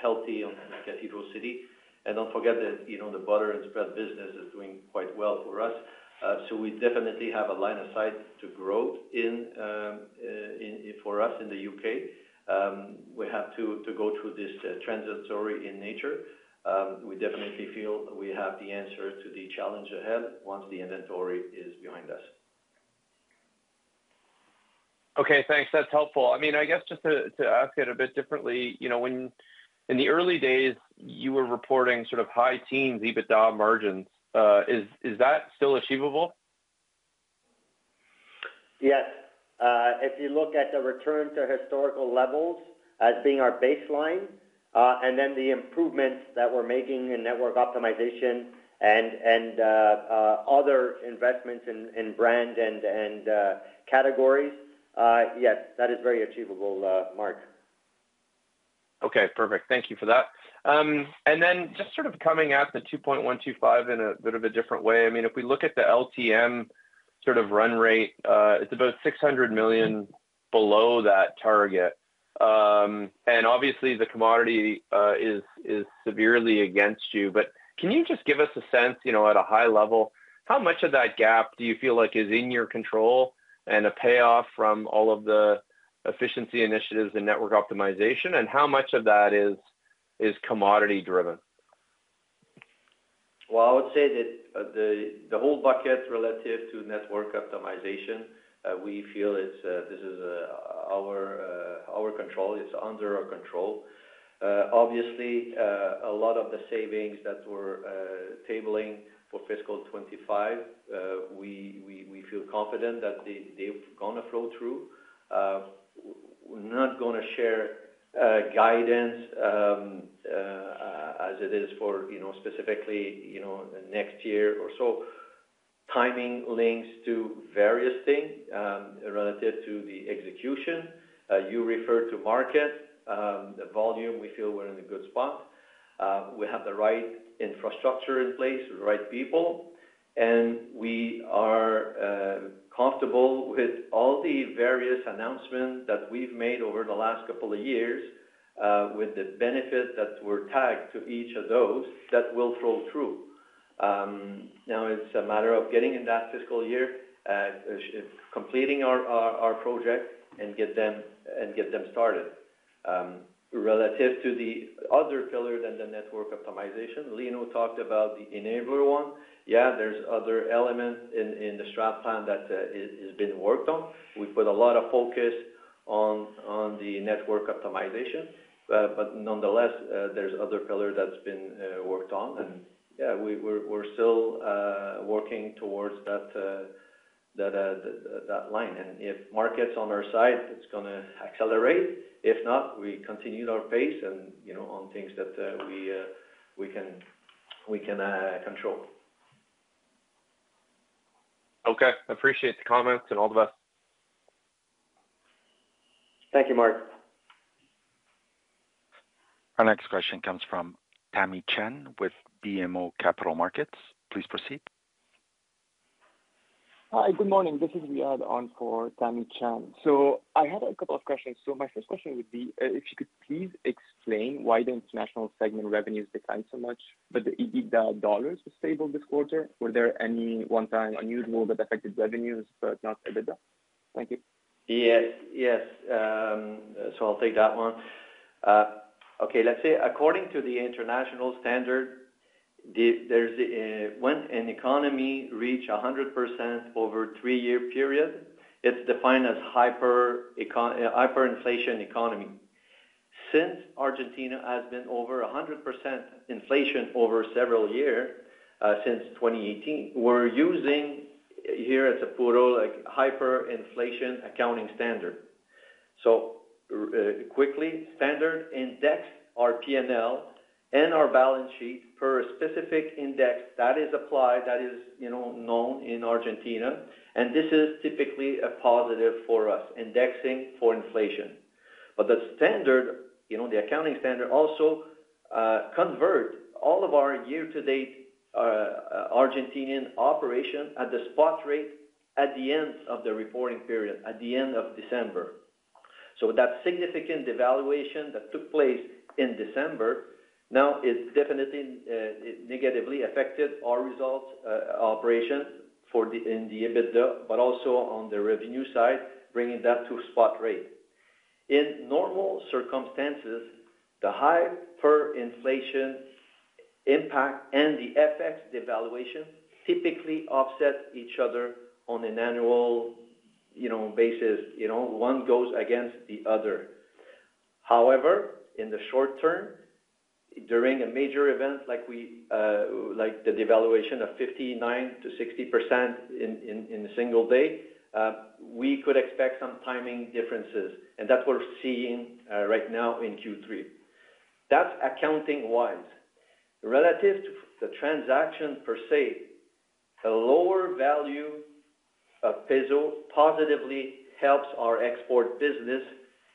healthy in Cathedral City. And don't forget that the butter and spread business is doing quite well for us. So we definitely have a line of sight to growth for us in the U.K. We have to go through this transitory in nature. We definitely feel we have the answer to the challenge ahead once the inventory is behind us. Okay, thanks. That's helpful. I mean, I guess just to ask it a bit differently, in the early days, you were reporting sort of high teens EBITDA margins. Is that still achievable? Yes. If you look at the return to historical levels as being our baseline and then the improvements that we're making in network optimization and other investments in brand and categories, yes, that is very achievable, Mark. Okay, perfect. Thank you for that. And then just sort of coming at the 2.125 billion in a bit of a different way, I mean, if we look at the LTM sort of run rate, it's about 600 million below that target. And obviously, the commodity is severely against you. But can you just give us a sense at a high level, how much of that gap do you feel like is in your control and a payoff from all of the efficiency initiatives and network optimization, and how much of that is commodity-driven? Well, I would say that the whole bucket relative to network optimization, we feel this is our control. It's under our control. Obviously, a lot of the savings that we're tabling for fiscal 2025, we feel confident that they're going to flow through. We're not going to share guidance as it is for specifically next year or so. Timing links to various things relative to the execution. You referred to market. The volume, we feel we're in a good spot. We have the right infrastructure in place, the right people, and we are comfortable with all the various announcements that we've made over the last couple of years with the benefit that were tagged to each of those that will flow through. Now, it's a matter of getting in that fiscal year, completing our project, and get them started. Relative to the other pillar than the network optimization, Lino talked about the Enabler one. Yeah, there's other elements in the strategic plan that has been worked on. We put a lot of focus on the network optimization. Nonetheless, there's other pillar that's been worked on. Yeah, we're still working towards that line. If market's on our side, it's going to accelerate. If not, we continue our pace on things that we can control. Okay. Appreciate the comments and all the best. Thank you, Mark. Our next question comes from Tamy Chen with BMO Capital Markets. Please proceed. Hi, good morning. This is Riad on for Tamy Chen. So I had a couple of questions. So my first question would be if you could please explain why the international segment revenues declined so much. But the EBITDA dollars were stable this quarter. Were there any one-time unusual that affected revenues but not EBITDA? Thank you. Yes, yes. So I'll take that one. Okay, let's say according to the international standard, when an economy reaches 100% over a three-year period, it's defined as hyperinflation economy. Since Argentina has been over 100% inflation over several years since 2018, we're using here at Saputo hyperinflation accounting standard. So quickly, standard index our P&L and our balance sheet per a specific index that is applied that is known in Argentina. And this is typically a positive for us, indexing for inflation. But the standard, the accounting standard also converts all of our year-to-date Argentinian operation at the spot rate at the end of the reporting period, at the end of December. So that significant devaluation that took place in December now, it definitely negatively affected our results operation in the EBITDA, but also on the revenue side, bringing that to spot rate. In normal circumstances, the high hyperinflation impact and the FX devaluation typically offset each other on an annual basis. One goes against the other. However, in the short term, during a major event like the devaluation of 59%-60% in a single day, we could expect some timing differences. That's what we're seeing right now in Q3. That's accounting-wise. Relative to the transaction per se, a lower value of peso positively helps our export business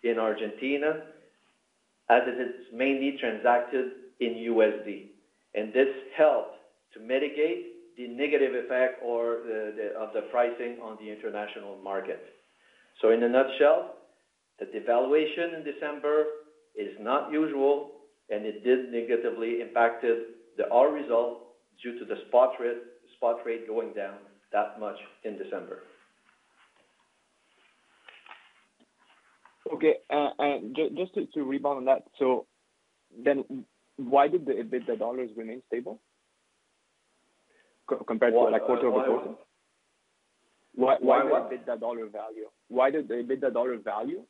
in Argentina as it is mainly transacted in USD. This helped to mitigate the negative effect of the pricing on the international market. So in a nutshell, the devaluation in December is not usual, and it did negatively impact our result due to the spot rate going down that much in December. Okay. And just to rebound on that, so then why did the EBITDA dollars remain stable compared to quarter-over-quarter? Why the EBITDA dollar value? Why did the EBITDA dollar value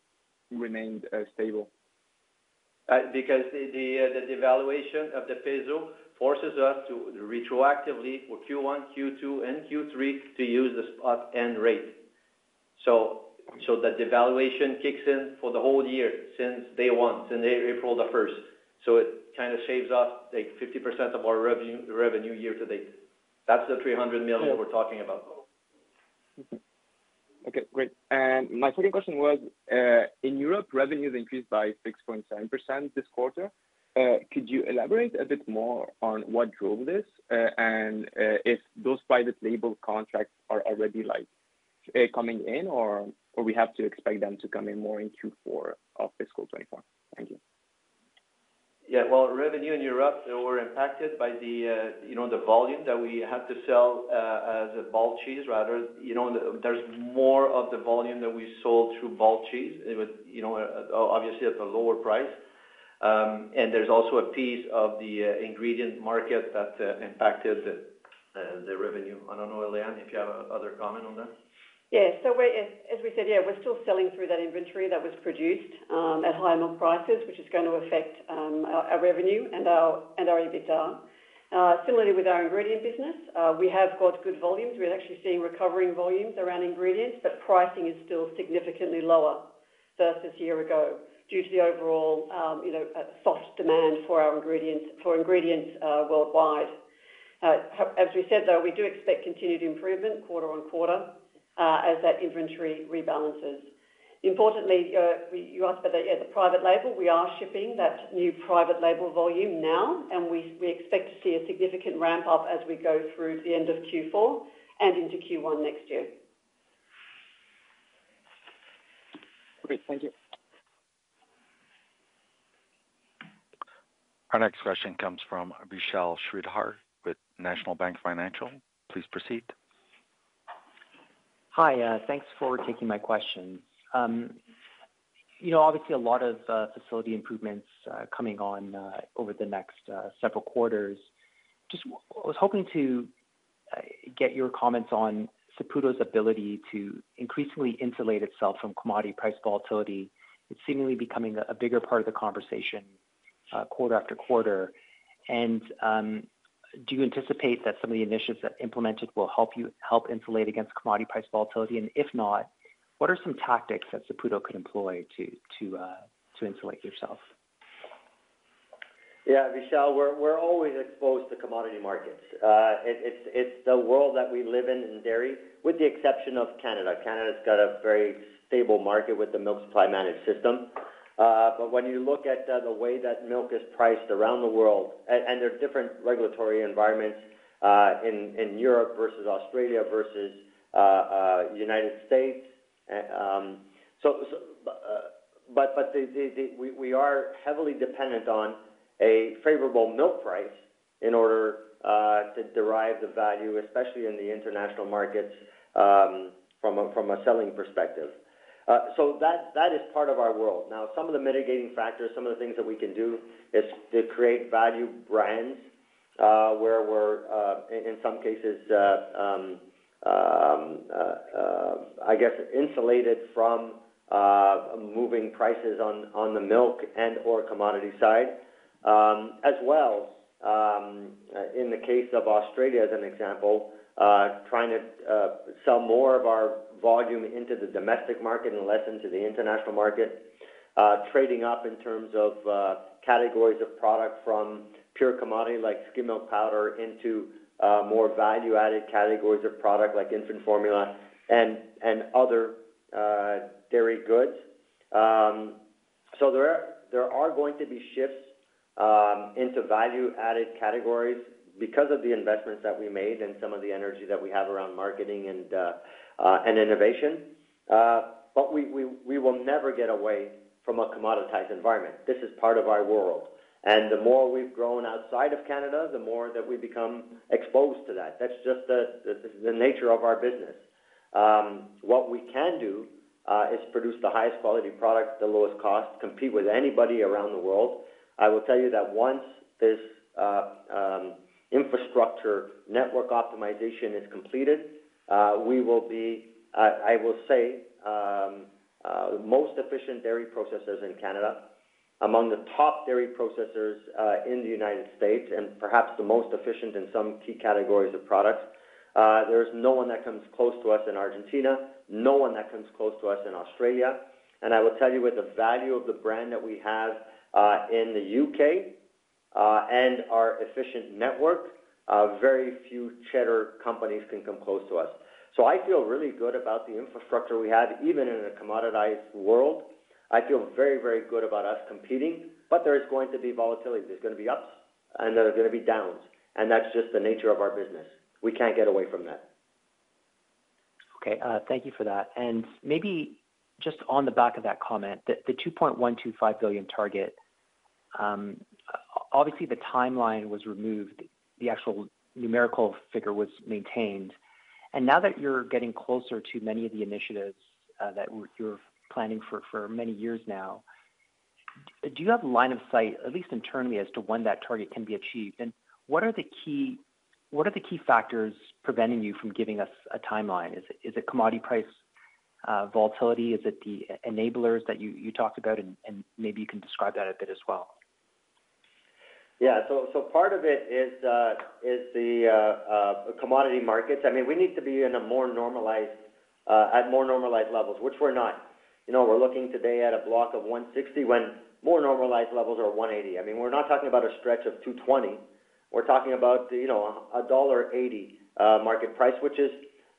remain stable? Because the devaluation of the peso forces us to retroactively for Q1, Q2, and Q3 to use the spot end rate. So the devaluation kicks in for the whole year since day one, since April 1st. So it kind of saves us 50% of our revenue year-to-date. That's the 300 million we're talking about. Okay, great. And my second question was, in Europe, revenues increased by 6.7% this quarter. Could you elaborate a bit more on what drove this and if those private label contracts are already coming in or we have to expect them to come in more in Q4 of fiscal 2024? Thank you. Yeah, well, revenue in Europe, they were impacted by the volume that we had to sell as bulk cheese, rather. There's more of the volume that we sold through bulk cheese, obviously at a lower price. And there's also a piece of the ingredient market that impacted the revenue. I don't know, Leanne, if you have another comment on that? Yeah, so as we said, yeah, we're still selling through that inventory that was produced at higher milk prices, which is going to affect our revenue and our EBITDA. Similarly, with our ingredient business, we have got good volumes. We're actually seeing recovering volumes around ingredients, but pricing is still significantly lower versus a year ago due to the overall soft demand for ingredients worldwide. As we said, though, we do expect continued improvement quarter-on-quarter as that inventory rebalances. Importantly, you asked about the private label. We are shipping that new private label volume now, and we expect to see a significant ramp-up as we go through the end of Q4 and into Q1 next year. Great, thank you. Our next question comes from Vishal Shreedhar with National Bank Financial. Please proceed. Hi, thanks for taking my questions. Obviously, a lot of facility improvements coming on over the next several quarters. Just was hoping to get your comments on Saputo's ability to increasingly insulate itself from commodity price volatility. It's seemingly becoming a bigger part of the conversation quarter after quarter. And do you anticipate that some of the initiatives that implemented will help insulate against commodity price volatility? And if not, what are some tactics that Saputo could employ to insulate yourself? Yeah, Vishal, we're always exposed to commodity markets. It's the world that we live in dairy, with the exception of Canada. Canada's got a very stable market with the Milk Supply Management System. But when you look at the way that milk is priced around the world and there are different regulatory environments in Europe versus Australia versus the United States. But we are heavily dependent on a favorable milk price in order to derive the value, especially in the international markets, from a selling perspective. So that is part of our world. Now, some of the mitigating factors, some of the things that we can do is to create value brands where we're, in some cases, I guess, insulated from moving prices on the milk and/or commodity side, as well as in the case of Australia as an example, trying to sell more of our volume into the domestic market and less into the international market, trading up in terms of categories of product from pure commodity like skim milk powder into more value-added categories of product like infant formula and other dairy goods. So there are going to be shifts into value-added categories because of the investments that we made and some of the energy that we have around marketing and innovation. But we will never get away from a commoditized environment. This is part of our world. The more we've grown outside of Canada, the more that we become exposed to that. That's just the nature of our business. What we can do is produce the highest quality product, the lowest cost, compete with anybody around the world. I will tell you that once this infrastructure network optimization is completed, we will be, I will say, the most efficient dairy processors in Canada, among the top dairy processors in the United States, and perhaps the most efficient in some key categories of products. There's no one that comes close to us in Argentina, no one that comes close to us in Australia. And I will tell you, with the value of the brand that we have in the U.K. and our efficient network, very few cheddar companies can come close to us. So I feel really good about the infrastructure we have, even in a commoditized world. I feel very, very good about us competing. But there is going to be volatility. There's going to be ups, and there are going to be downs. And that's just the nature of our business. We can't get away from that. Okay, thank you for that. And maybe just on the back of that comment, the 2.125 billion target, obviously, the timeline was removed. The actual numerical figure was maintained. And now that you're getting closer to many of the initiatives that you're planning for many years now, do you have a line of sight, at least internally, as to when that target can be achieved? And what are the key factors preventing you from giving us a timeline? Is it commodity price volatility? Is it the Enablers that you talked about? And maybe you can describe that a bit as well. Yeah, so part of it is the commodity markets. I mean, we need to be at more normalized levels, which we're not. We're looking today at a block of 160 when more normalized levels are 180. I mean, we're not talking about a stretch of 220. We're talking about a $1.80 market price, which is,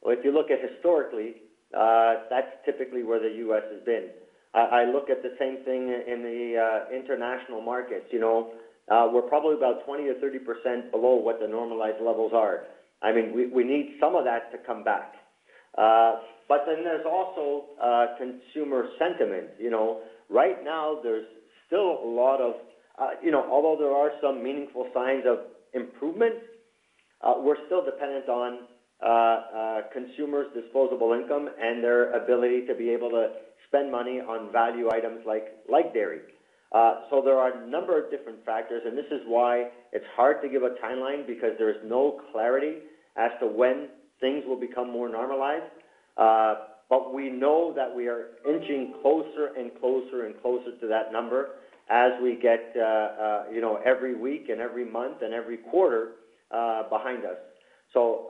if you look at historically, that's typically where the U.S. has been. I look at the same thing in the international markets. We're probably about 20%-30% below what the normalized levels are. I mean, we need some of that to come back. But then there's also consumer sentiment. Right now, there's still a lot of although there are some meaningful signs of improvement, we're still dependent on consumers' disposable income and their ability to be able to spend money on value items like dairy. So there are a number of different factors. This is why it's hard to give a timeline because there is no clarity as to when things will become more normalized. We know that we are inching closer and closer and closer to that number as we get every week and every month and every quarter behind us.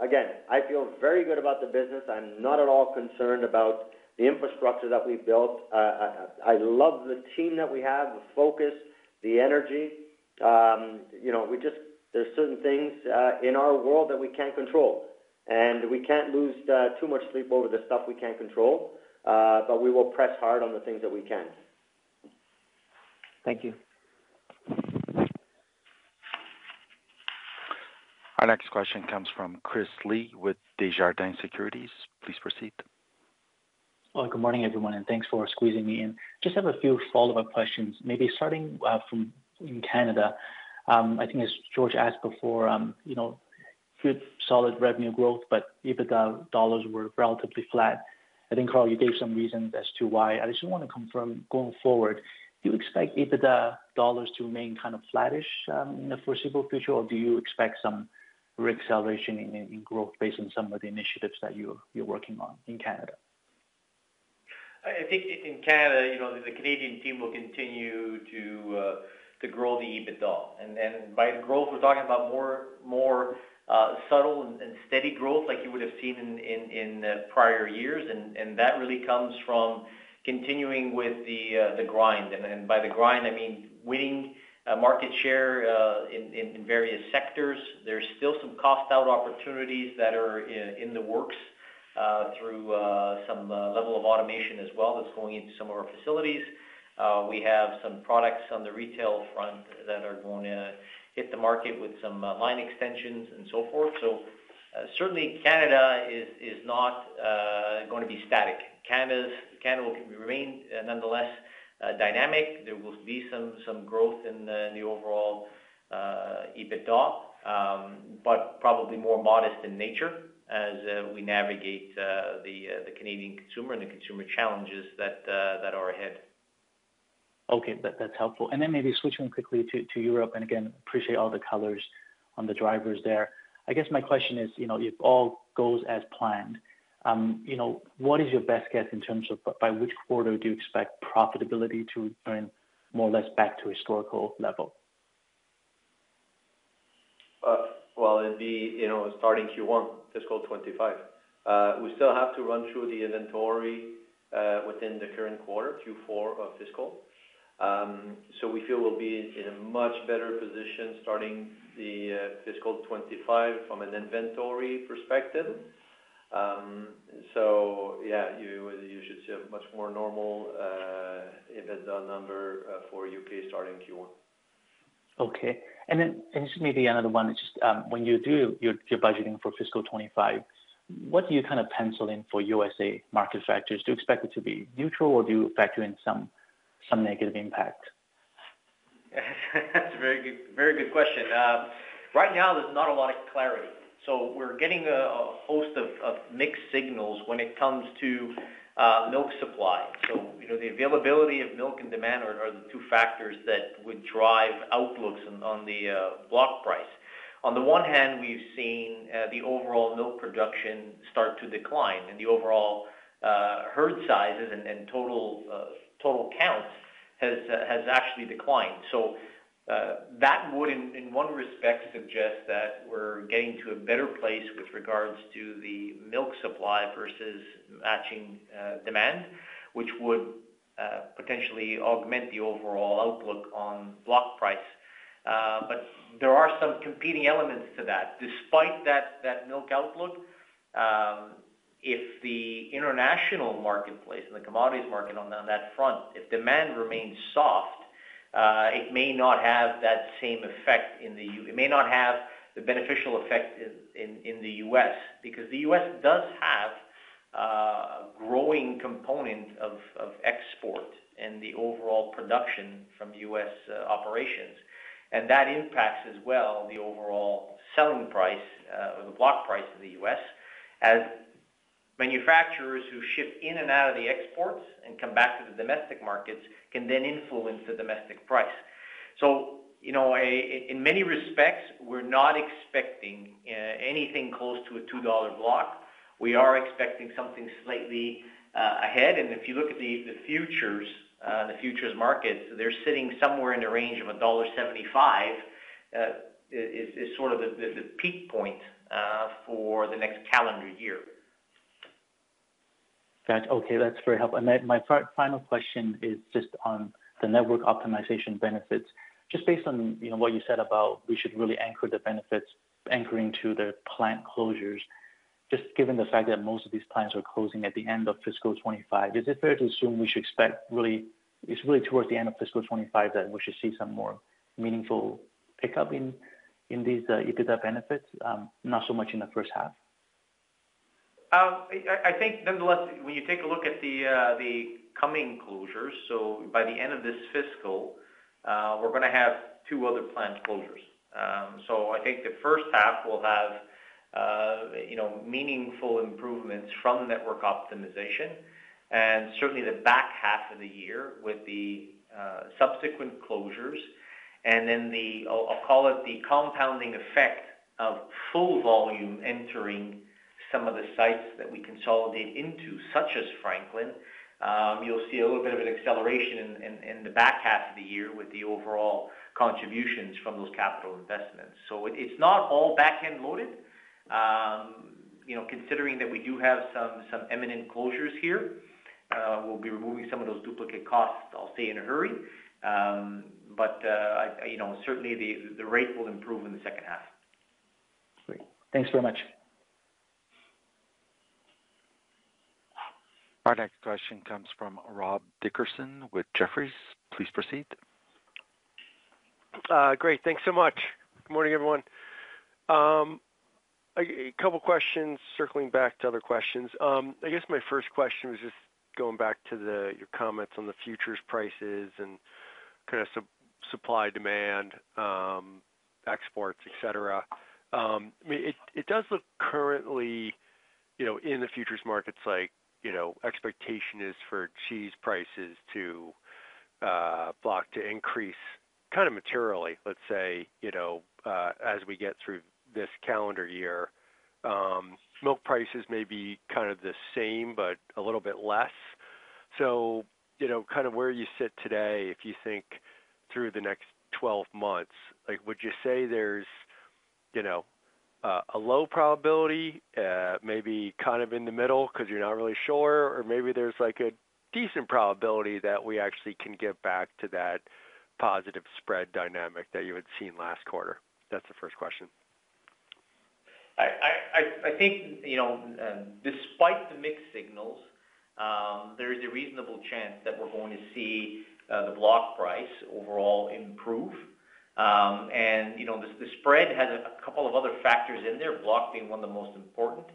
Again, I feel very good about the business. I'm not at all concerned about the infrastructure that we've built. I love the team that we have, the focus, the energy. There's certain things in our world that we can't control. We can't lose too much sleep over the stuff we can't control. We will press hard on the things that we can. Thank you. Our next question comes from Chris Li with Desjardins Securities. Please proceed. Well, good morning, everyone. Thanks for squeezing me in. Just have a few follow-up questions, maybe starting from Canada. I think, as George asked before, good solid revenue growth, but EBITDA dollars were relatively flat. I think, Carl, you gave some reasons as to why. I just want to confirm, going forward, do you expect EBITDA dollars to remain kind of flattish in the foreseeable future, or do you expect some reacceleration in growth based on some of the initiatives that you're working on in Canada? I think in Canada, the Canadian team will continue to grow the EBITDA. And by the growth, we're talking about more subtle and steady growth like you would have seen in prior years. And that really comes from continuing with the grind. And by the grind, I mean winning market share in various sectors. There's still some cost-out opportunities that are in the works through some level of automation as well that's going into some of our facilities. We have some products on the retail front that are going to hit the market with some line extensions and so forth. So certainly, Canada is not going to be static. Canada will remain, nonetheless, dynamic. There will be some growth in the overall EBITDA, but probably more modest in nature as we navigate the Canadian consumer and the consumer challenges that are ahead. Okay, that's helpful. And then maybe switching quickly to Europe. And again, appreciate all the colors on the drivers there. I guess my question is, if all goes as planned, what is your best guess in terms of by which quarter do you expect profitability to return more or less back to historical level? Well, it'd be starting Q1, fiscal 2025. We still have to run through the inventory within the current quarter, Q4 of fiscal. So we feel we'll be in a much better position starting the fiscal 2025 from an inventory perspective. So yeah, you should see a much more normal EBITDA number for U.K. starting Q1. Okay. And this is maybe another one. It's just when you do your budgeting for fiscal 2025, what do you kind of pencil in for U.S. market factors? Do you expect it to be neutral, or do you factor in some negative impact? That's a very good question. Right now, there's not a lot of clarity. So we're getting a host of mixed signals when it comes to milk supply. So the availability of milk and demand are the two factors that would drive outlooks on the block price. On the one hand, we've seen the overall milk production start to decline, and the overall herd sizes and total count has actually declined. So that would, in one respect, suggest that we're getting to a better place with regards to the milk supply versus matching demand, which would potentially augment the overall outlook on block price. But there are some competing elements to that. Despite that milk outlook, if the international marketplace and the commodities market on that front, if demand remains soft, it may not have that same effect in the. It may not have the beneficial effect in the US because the US does have a growing component of export and the overall production from US operations. And that impacts as well the overall selling price or the block price in the US as manufacturers who ship in and out of the exports and come back to the domestic markets can then influence the domestic price. So in many respects, we're not expecting anything close to a $2 block. We are expecting something slightly ahead. And if you look at the futures markets, they're sitting somewhere in the range of $1.75, is sort of the peak point for the next calendar year. Gotcha. Okay, that's very helpful. And my final question is just on the Network Optimization benefits. Just based on what you said about we should really anchor the benefits anchoring to the plant closures, just given the fact that most of these plants are closing at the end of fiscal 2025, is it fair to assume we should expect really it's really towards the end of fiscal 2025 that we should see some more meaningful pickup in these EBITDA benefits, not so much in the first half? I think, nonetheless, when you take a look at the coming closures, so by the end of this fiscal, we're going to have two other plant closures. So I think the first half will have meaningful improvements from Network Optimization and certainly the back half of the year with the subsequent closures. And then I'll call it the compounding effect of full volume entering some of the sites that we consolidate into, such as Franklin. You'll see a little bit of an acceleration in the back half of the year with the overall contributions from those capital investments. So it's not all backend-loaded, considering that we do have some imminent closures here. We'll be removing some of those duplicate costs, I'll say, in a hurry. But certainly, the rate will improve in the second half. Great. Thanks very much. Our next question comes from Rob Dickerson with Jefferies. Please proceed. Great. Thanks so much. Good morning, everyone. A couple of questions circling back to other questions. I guess my first question was just going back to your comments on the futures prices and kind of supply, demand, exports, etc. I mean, it does look currently in the futures markets like expectation is for cheese prices to increase kind of materially, let's say, as we get through this calendar year. Milk prices may be kind of the same but a little bit less. So kind of where you sit today, if you think through the next 12 months, would you say there's a low probability, maybe kind of in the middle because you're not really sure, or maybe there's a decent probability that we actually can get back to that positive spread dynamic that you had seen last quarter? That's the first question. I think, despite the mixed signals, there is a reasonable chance that we're going to see the block price overall improve. And the spread has a couple of other factors in there, block being one of the most important.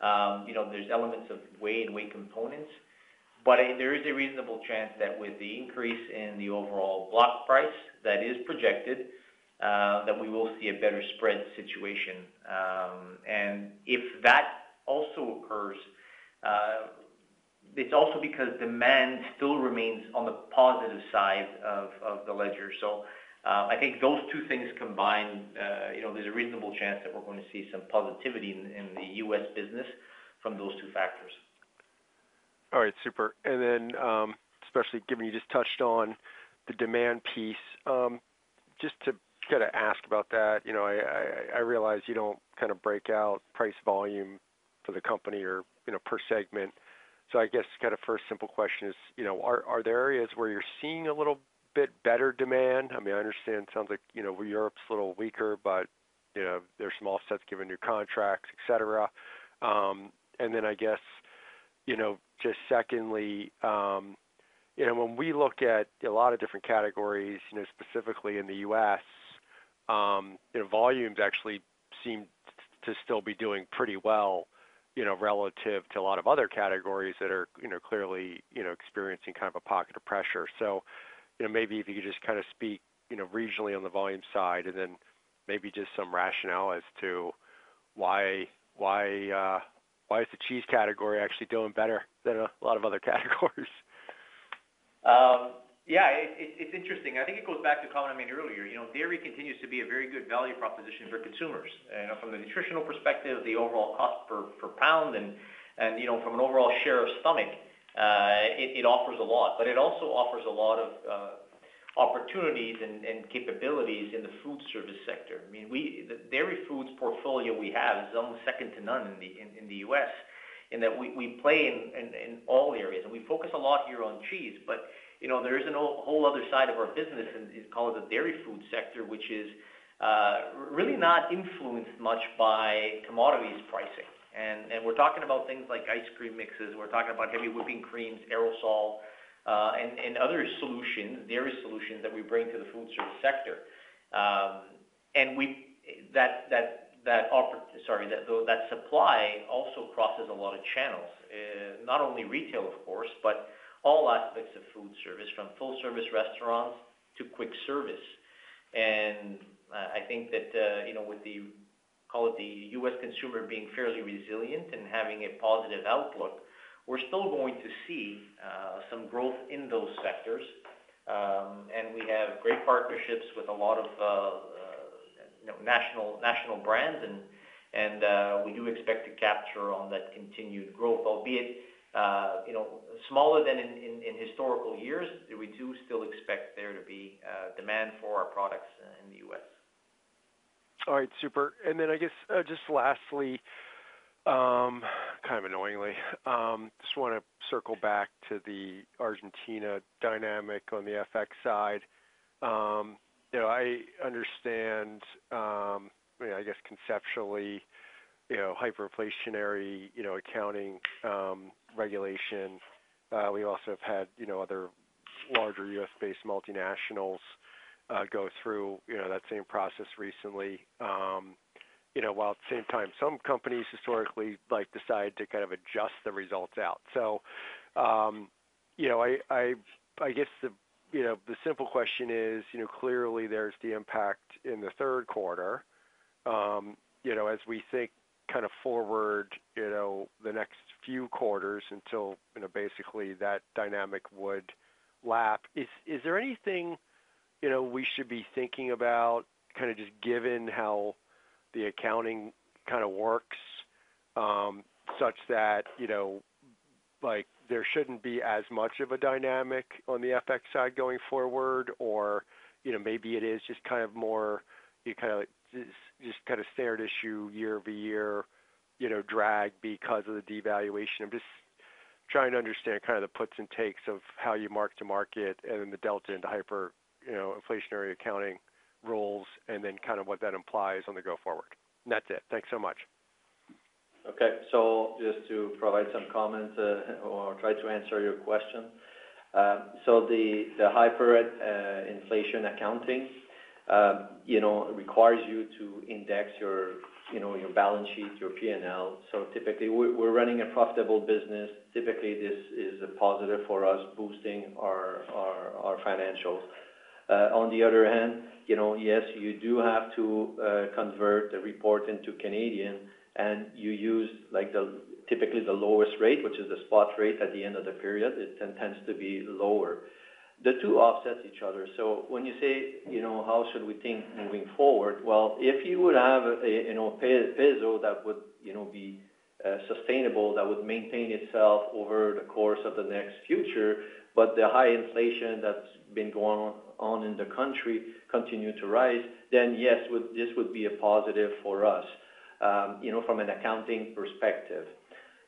There's elements of weight and weight components. But there is a reasonable chance that with the increase in the overall block price that is projected, that we will see a better spread situation. And if that also occurs, it's also because demand still remains on the positive side of the ledger. So I think those two things combined, there's a reasonable chance that we're going to see some positivity in the U.S. business from those two factors. All right, super. And then, especially given you just touched on the demand piece, just to kind of ask about that, I realize you don't kind of break out price volume for the company or per segment. So I guess kind of first simple question is, are there areas where you're seeing a little bit better demand? I mean, I understand it sounds like Europe's a little weaker, but there's some offsets given new contracts, etc. And then I guess just secondly, when we look at a lot of different categories, specifically in the U.S., volumes actually seem to still be doing pretty well relative to a lot of other categories that are clearly experiencing kind of a pocket of pressure. Maybe if you could just kind of speak regionally on the volume side and then maybe just some rationale as to why is the cheese category actually doing better than a lot of other categories? Yeah, it's interesting. I think it goes back to Carl and I mentioned earlier. Dairy continues to be a very good value proposition for consumers. From the nutritional perspective, the overall cost per pound and from an overall share of stomach, it offers a lot. But it also offers a lot of opportunities and capabilities in the food service sector. I mean, the dairy foods portfolio we have is almost second to none in the U.S. in that we play in all areas. And we focus a lot here on cheese. But there is a whole other side of our business, and we call it the dairy food sector, which is really not influenced much by commodities pricing. And we're talking about things like ice cream mixes. We're talking about heavy whipping creams, aerosol, and other solutions, dairy solutions that we bring to the food service sector. And that supply also crosses a lot of channels, not only retail, of course, but all aspects of food service from full-service restaurants to quick service. And I think that with the caveat that the U.S. consumer being fairly resilient and having a positive outlook, we're still going to see some growth in those sectors. And we have great partnerships with a lot of national brands. And we do expect to capitalize on that continued growth, albeit smaller than in historical years. We do still expect there to be demand for our products in the U.S. All right, super. And then I guess just lastly, kind of annoyingly, just want to circle back to the Argentina dynamic on the FX side. I understand, I guess, conceptually, hyperinflation accounting regulation. We also have had other larger U.S.-based multinationals go through that same process recently. While at the same time, some companies historically decide to kind of adjust the results out. So I guess the simple question is, clearly, there's the impact in the third quarter. As we think kind of forward the next few quarters until basically that dynamic would lap, is there anything we should be thinking about kind of just given how the accounting kind of works such that there shouldn't be as much of a dynamic on the FX side going forward? Or maybe it is just kind of more you kind of just kind of standard issue year-over-year drag because of the devaluation? I'm just trying to understand kind of the puts and takes of how you mark to market and then the delta into hyperinflationary accounting rules and then kind of what that implies on the go-forward? That's it. Thanks so much. Okay. So just to provide some comments or try to answer your question. So the Hyperinflation Accounting requires you to index your balance sheet, your P&L. So typically, we're running a profitable business. Typically, this is a positive for us, boosting our financials. On the other hand, yes, you do have to convert the report into Canadian, and you use typically the lowest rate, which is the spot rate at the end of the period. It tends to be lower. The two offset each other. So when you say, "How should we think moving forward?" Well, if you would have a peso that would be sustainable, that would maintain itself over the course of the next future, but the high inflation that's been going on in the country continued to rise, then yes, this would be a positive for us from an accounting perspective.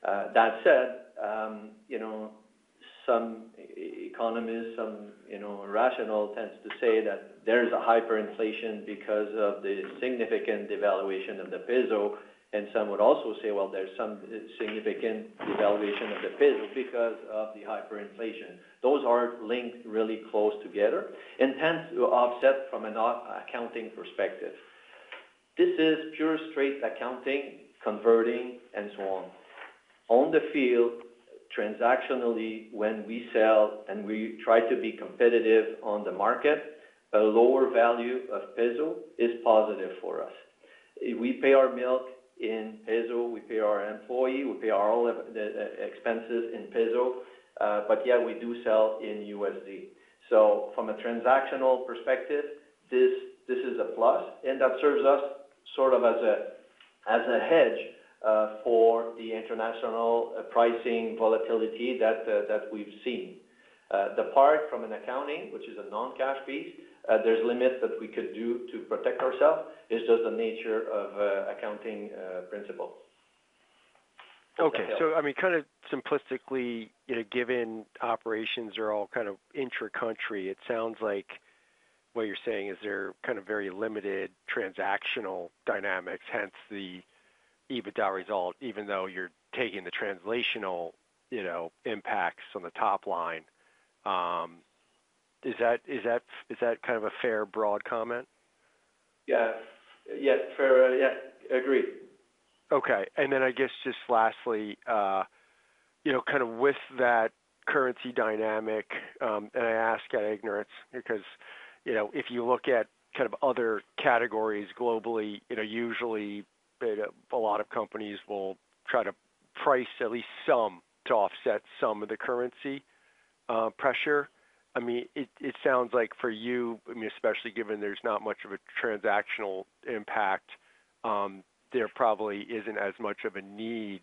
That said, some economists, some rational tends to say that there's a hyperinflation because of the significant devaluation of the peso. Some would also say, "Well, there's some significant devaluation of the peso because of the hyperinflation." Those aren't linked really close together and tend to offset from an accounting perspective. This is pure straight accounting, converting, and so on. On the field, transactionally, when we sell and we try to be competitive on the market, a lower value of peso is positive for us. We pay our milk in peso. We pay our employee. We pay our all expenses in peso. Yeah, we do sell in USD. So from a transactional perspective, this is a plus. That serves us sort of as a hedge for the international pricing volatility that we've seen. The part from Hyperinflation Accounting, which is a non-cash piece, there's limits that we could do to protect ourselves. It's just the nature of accounting principle. Okay. So I mean, kind of simplistically, given operations are all kind of intra-country, it sounds like what you're saying is they're kind of very limited transactional dynamics, hence the EBITDA result, even though you're taking the translational impacts on the top line. Is that kind of a fair, broad comment? Yes. Yes, fair. Yes, agreed. Okay. And then I guess just lastly, kind of with that currency dynamic and I ask out of ignorance because if you look at kind of other categories globally, usually, a lot of companies will try to price at least some to offset some of the currency pressure. I mean, it sounds like for you, I mean, especially given there's not much of a transactional impact, there probably isn't as much of a need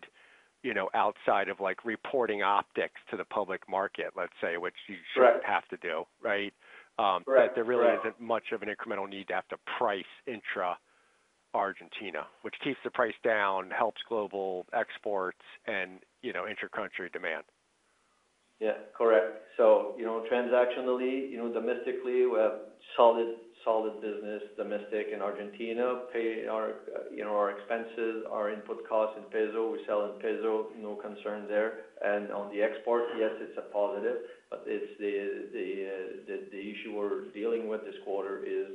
outside of reporting optics to the public market, let's say, which you shouldn't have to do, right? But there really isn't much of an incremental need to have to price intra-Argentina, which keeps the price down, helps global exports, and intra-country demand. Yeah, correct. So transactionally, domestically, we have solid business. Domestic and Argentina, pay our expenses, our input costs in peso. We sell in peso. No concern there. And on the export, yes, it's a positive. But the issue we're dealing with this quarter is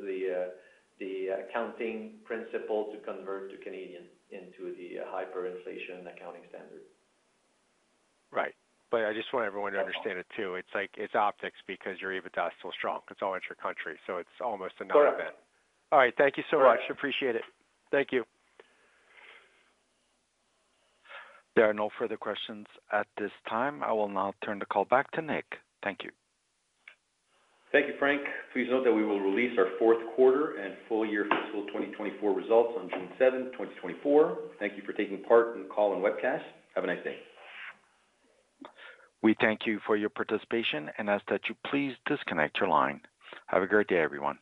the accounting principle to convert to Canadian into the hyperinflation accounting standard. Right. But I just want everyone to understand it too. It's optics because your EBITDA is still strong. It's all intra-country. So it's almost a non-event. All right. Thank you so much. Appreciate it. Thank you. There are no further questions at this time. I will now turn the call back to Nick. Thank you. Thank you, Frank. Please note that we will release our fourth quarter and full-year fiscal 2024 results on June 7th, 2024. Thank you for taking part in the call and webcast. Have a nice day. We thank you for your participation. As such, please disconnect your line. Have a great day, everyone.